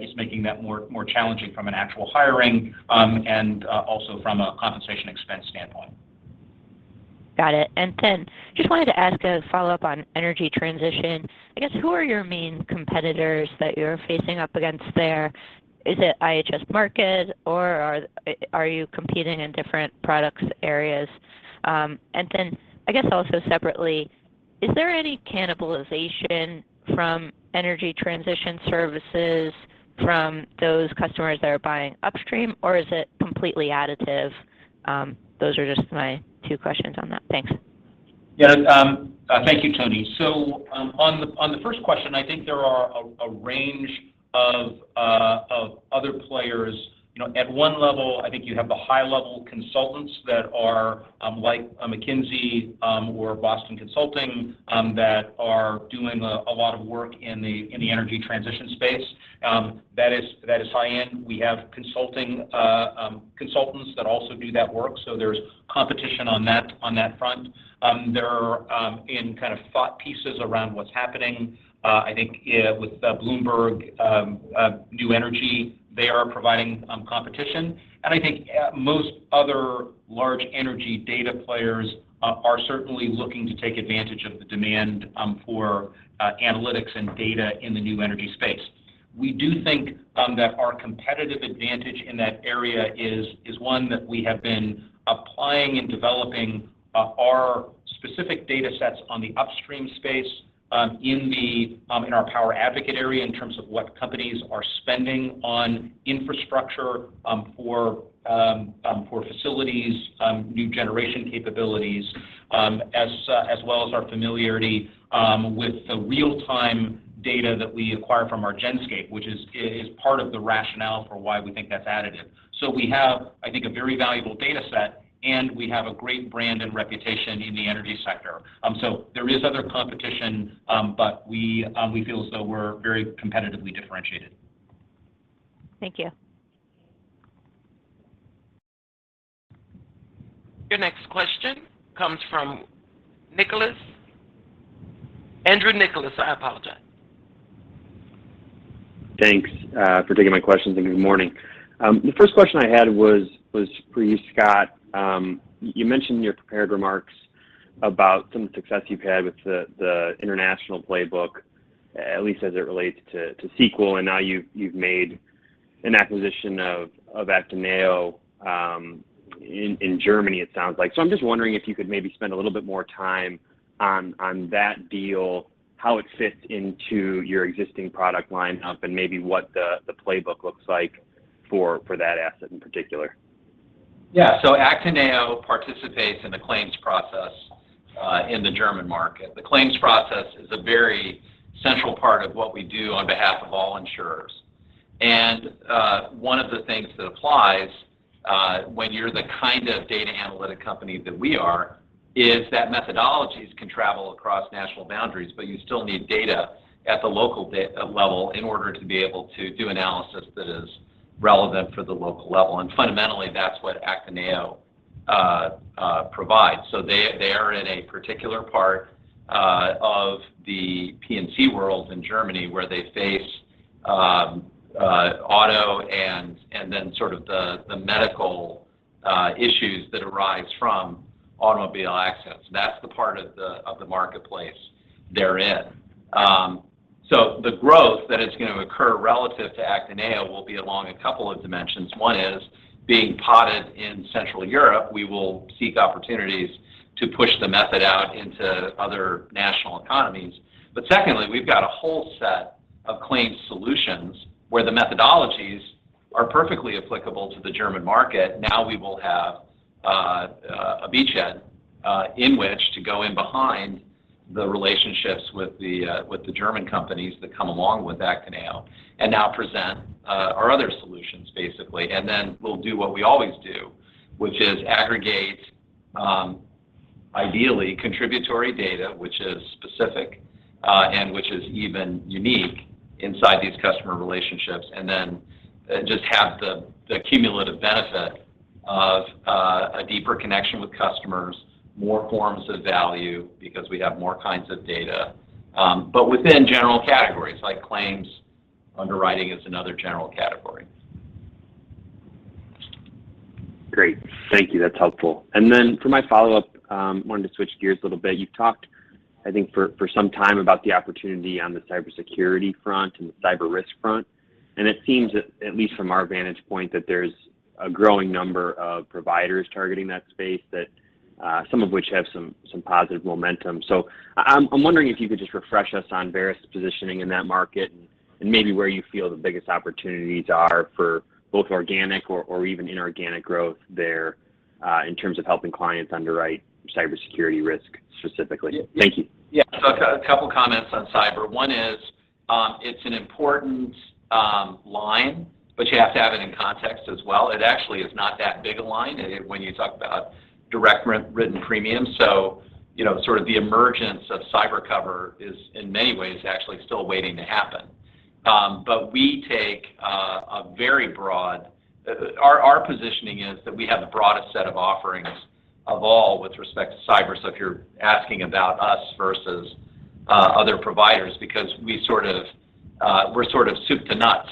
is making that more challenging from an actual hiring, and also from a compensation expense standpoint. Got it. Then just wanted to ask a follow-up on energy transition. I guess, who are your main competitors that you're facing up against there? Is it IHS Markit or are you competing in different products areas? Then I guess also separately, is there any cannibalization from energy transition services from those customers that are buying upstream or is it completely additive? Those are just my two questions on that. Thanks. Thank you, Toni. On the first question, I think there are a range of other players. You know, at one level, I think you have the high-level consultants that are like a McKinsey or Boston Consulting that are doing a lot of work in the energy transition space. That is high-end. We have consultants that also do that work, so there's competition on that front. There are kind of thought pieces around what's happening. I think with Bloomberg New Energy, they are providing competition. I think most other large energy data players are certainly looking to take advantage of the demand for analytics and data in the new energy space. We do think that our competitive advantage in that area is one that we have been applying and developing our specific datasets on the upstream space in our PowerAdvocate area in terms of what companies are spending on infrastructure for facilities new generation capabilities as well as our familiarity with the real-time data that we acquire from our Genscape, which is part of the rationale for why we think that's additive. We have, I think, a very valuable dataset, and we have a great brand and reputation in the energy sector. There is other competition, but we feel as though we're very competitively differentiated. Thank you. Your next question comes from Nicholas. Andrew Nicholas, I apologize. Thanks for taking my question and good morning. The first question I had was for you, Scott. You mentioned in your prepared remarks about some success you've had with the international playbook, at least as it relates to Sequel. Now you've made an acquisition of ACTINEO in Germany, it sounds like. I'm just wondering if you could maybe spend a little bit more time on that deal, how it fits into your existing product lineup, and maybe what the playbook looks like for that asset in particular. Yeah. ACTINEO participates in the claims process in the German market. The claims process is a very central part of what we do on behalf of all insurers. One of the things that applies when you're the kind of data analytics company that we are is that methodologies can travel across national boundaries, but you still need data at the local level in order to be able to do analysis that is relevant for the local level. Fundamentally, that's what ACTINEO provides. They are in a particular part of the P&C world in Germany, where they face auto and then sort of the medical issues that arise from automobile accidents. That's the part of the marketplace they're in. The growth that is gonna occur relative to ACTINEO will be along a couple of dimensions. One is being rooted in central Europe, we will seek opportunities to push the model out into other national economies. Secondly, we've got a whole set of claims solutions where the methodologies are perfectly applicable to the German market. Now we will have a beachhead in which to go in behind the relationships with the German companies that come along with ACTINEO and present our other solutions, basically. Then we'll do what we always do, which is aggregate, ideally, contributory data, which is specific and which is even unique inside these customer relationships. Just have the cumulative benefit of a deeper connection with customers, more forms of value because we have more kinds of data, but within general categories like claims, underwriting is another general category. Great. Thank you. That's helpful. For my follow-up, wanted to switch gears a little bit. You've talked, I think, for some time about the opportunity on the cybersecurity front and the cyber risk front, and it seems at least from our vantage point that there's a growing number of providers targeting that space that some of which have some positive momentum. I'm wondering if you could just refresh us on Verisk's positioning in that market and maybe where you feel the biggest opportunities are for both organic or even inorganic growth there in terms of helping clients underwrite cybersecurity risk specifically. Thank you. Yeah. A couple comments on cyber. One is, it's an important line, but you have to have it in context as well. It actually is not that big a line when you talk about direct written premium. You know, sort of the emergence of cyber cover is in many ways actually still waiting to happen. We take a very broad. Our positioning is that we have the broadest set of offerings of all with respect to cyber. If you're asking about us versus other providers, because we're sort of soup to nuts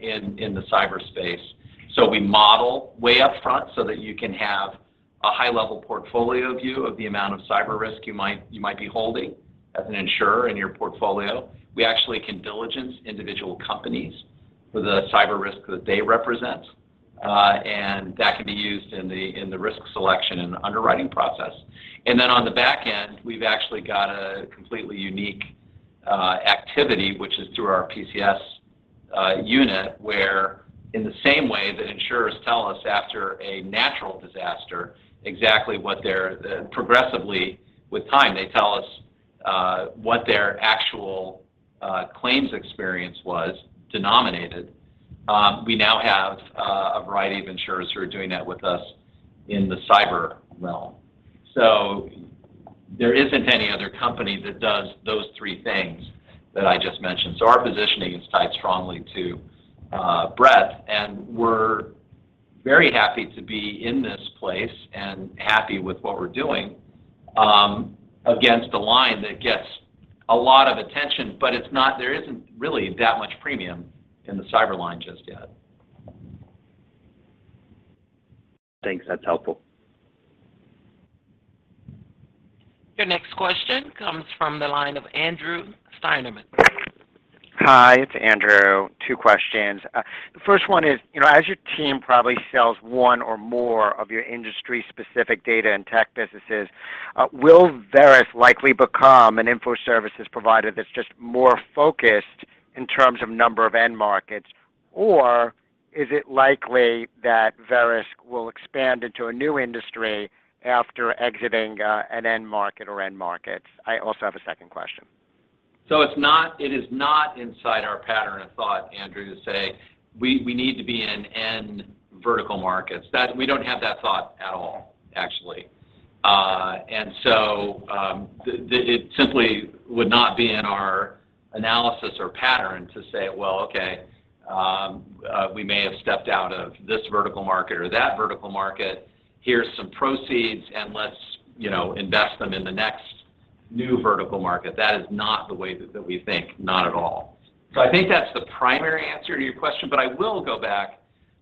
in the cyber space. We model way up front so that you can have a high level portfolio view of the amount of cyber risk you might be holding as an insurer in your portfolio. We actually can diligence individual companies for the cyber risk that they represent, and that can be used in the risk selection and underwriting process. Then on the back end, we've actually got a completely unique activity, which is through our PCS unit, where in the same way that insurers tell us after a natural disaster exactly what their progressively with time, they tell us what their actual claims experience was denominated. We now have a variety of insurers who are doing that with us in the cyber realm. There isn't any other company that does those three things that I just mentioned. Our positioning is tied strongly to breadth, and we're very happy to be in this place and happy with what we're doing against a line that gets a lot of attention, but there isn't really that much premium in the cyber line just yet. Thanks. That's helpful. Your next question comes from the line of Andrew Steinerman. Hi, it's Andrew. Two questions. The first one is, you know, as your team probably sells one or more of your industry specific data and tech businesses, will Verisk likely become an info services provider that's just more focused in terms of number of end markets? Or is it likely that Verisk will expand into a new industry after exiting, an end market or end markets? I also have a second question. It is not inside our pattern of thought, Andrew, to say we need to be in end vertical markets. We don't have that thought at all, actually. It simply would not be in our analysis or pattern to say, "Well, okay, we may have stepped out of this vertical market or that vertical market. Here's some proceeds, and let's, you know, invest them in the next new vertical market." That is not the way that we think. Not at all. I think that's the primary answer to your question, but I will go back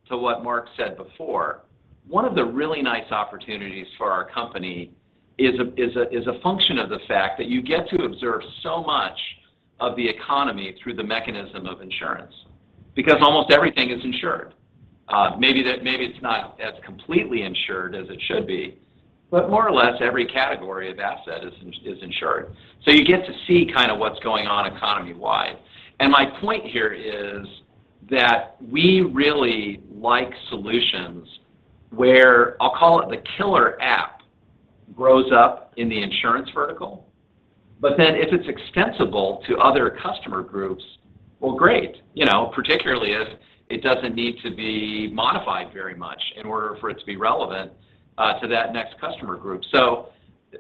to what Mark said before. One of the really nice opportunities for our company is a function of the fact that you get to observe so much of the economy through the mechanism of insurance because almost everything is insured. Maybe it's not as completely insured as it should be, but more or less, every category of asset is insured. You get to see kinda what's going on economy-wide. My point here is that we really like solutions where I'll call it the killer app grows up in the insurance vertical, but then if it's extensible to other customer groups, well, great, you know, particularly if it doesn't need to be modified very much in order for it to be relevant to that next customer group.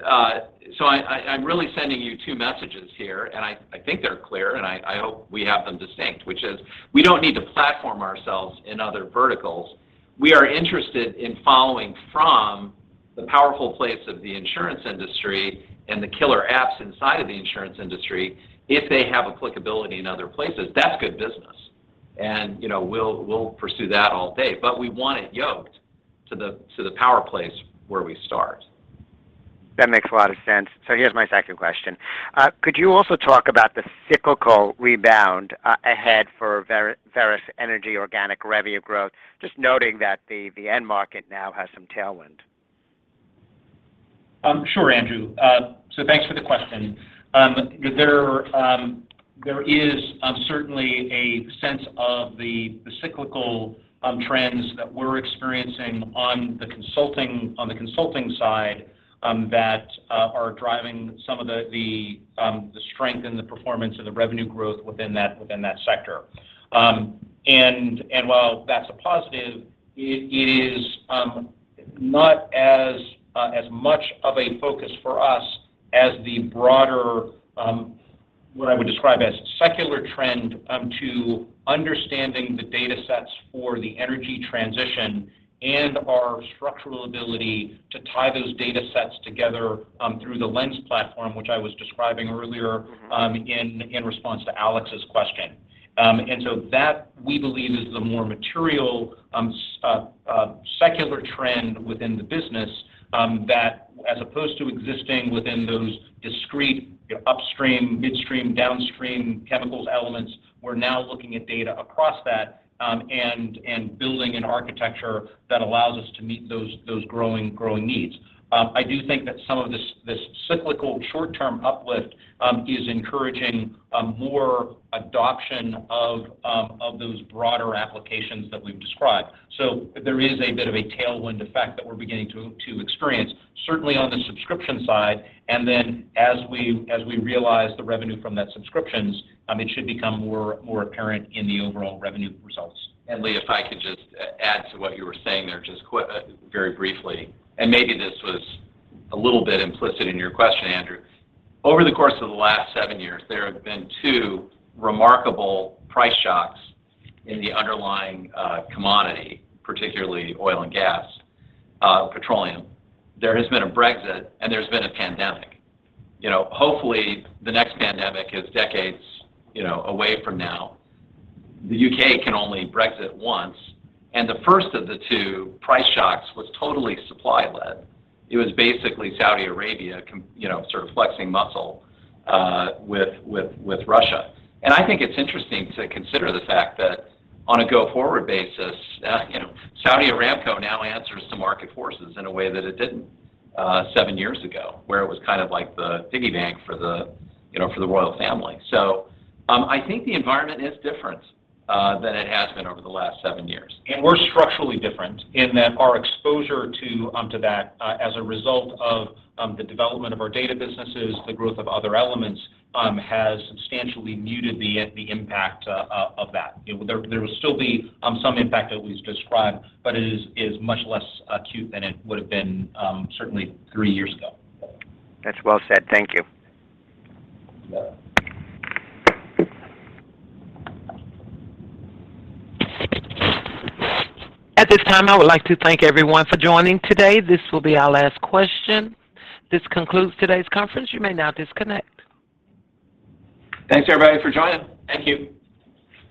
I'm really sending you two messages here, and I think they're clear, and I hope we have them distinct, which is we don't need to platform ourselves in other verticals. We are interested in following from the powerful place of the insurance industry and the killer apps inside of the insurance industry if they have applicability in other places. That's good business. You know, we'll pursue that all day. We want it yoked to the power place where we start. That makes a lot of sense. Here's my second question. Could you also talk about the cyclical rebound ahead for Verisk Energy organic revenue growth, just noting that the end market now has some tailwind? Sure, Andrew. Thanks for the question. There is certainly a sense of the cyclical trends that we're experiencing on the consulting side that are driving some of the strength and the performance and the revenue growth within that sector. While that's a positive, it is not as much of a focus for us as the broader what I would describe as secular trend to understanding the data sets for the energy transition and our structural ability to tie those data sets together through the Lens platform, which I was describing earlier. In response to Alex's question. That, we believe, is the more material secular trend within the business, that as opposed to existing within those discrete upstream, midstream, downstream chemicals elements, we're now looking at data across that, and building an architecture that allows us to meet those growing needs. I do think that some of this cyclical short-term uplift is encouraging more adoption of those broader applications that we've described. There is a bit of a tailwind effect that we're beginning to experience, certainly on the subscription side. As we realize the revenue from those subscriptions, it should become more apparent in the overall revenue results. Lee, if I could just add to what you were saying there just very briefly, and maybe this was a little bit implicit in your question, Andrew. Over the course of the last seven years, there have been two remarkable price shocks in the underlying commodity, particularly oil and gas, petroleum. There has been a Brexit, and there's been a pandemic. You know, hopefully, the next pandemic is decades, you know, away from now. The U.K. can only Brexit once, and the first of the two price shocks was totally supply-led. It was basically Saudi Arabia you know, sort of flexing muscle with Russia. I think it's interesting to consider the fact that on a go-forward basis, you know, Saudi Aramco now answers to market forces in a way that it didn't, seven years ago, where it was kind of like the piggy bank for the, you know, for the royal family. I think the environment is different than it has been over the last seven years. We're structurally different in that our exposure to that, as a result of the development of our data businesses, the growth of other elements, has substantially muted the impact of that. You know, there will still be some impact that we've described, but it is much less acute than it would have been, certainly three years ago. That's well said. Thank you. You bet. At this time, I would like to thank everyone for joining today. This will be our last question. This concludes today's conference. You may now disconnect. Thanks, everybody, for joining. Thank you.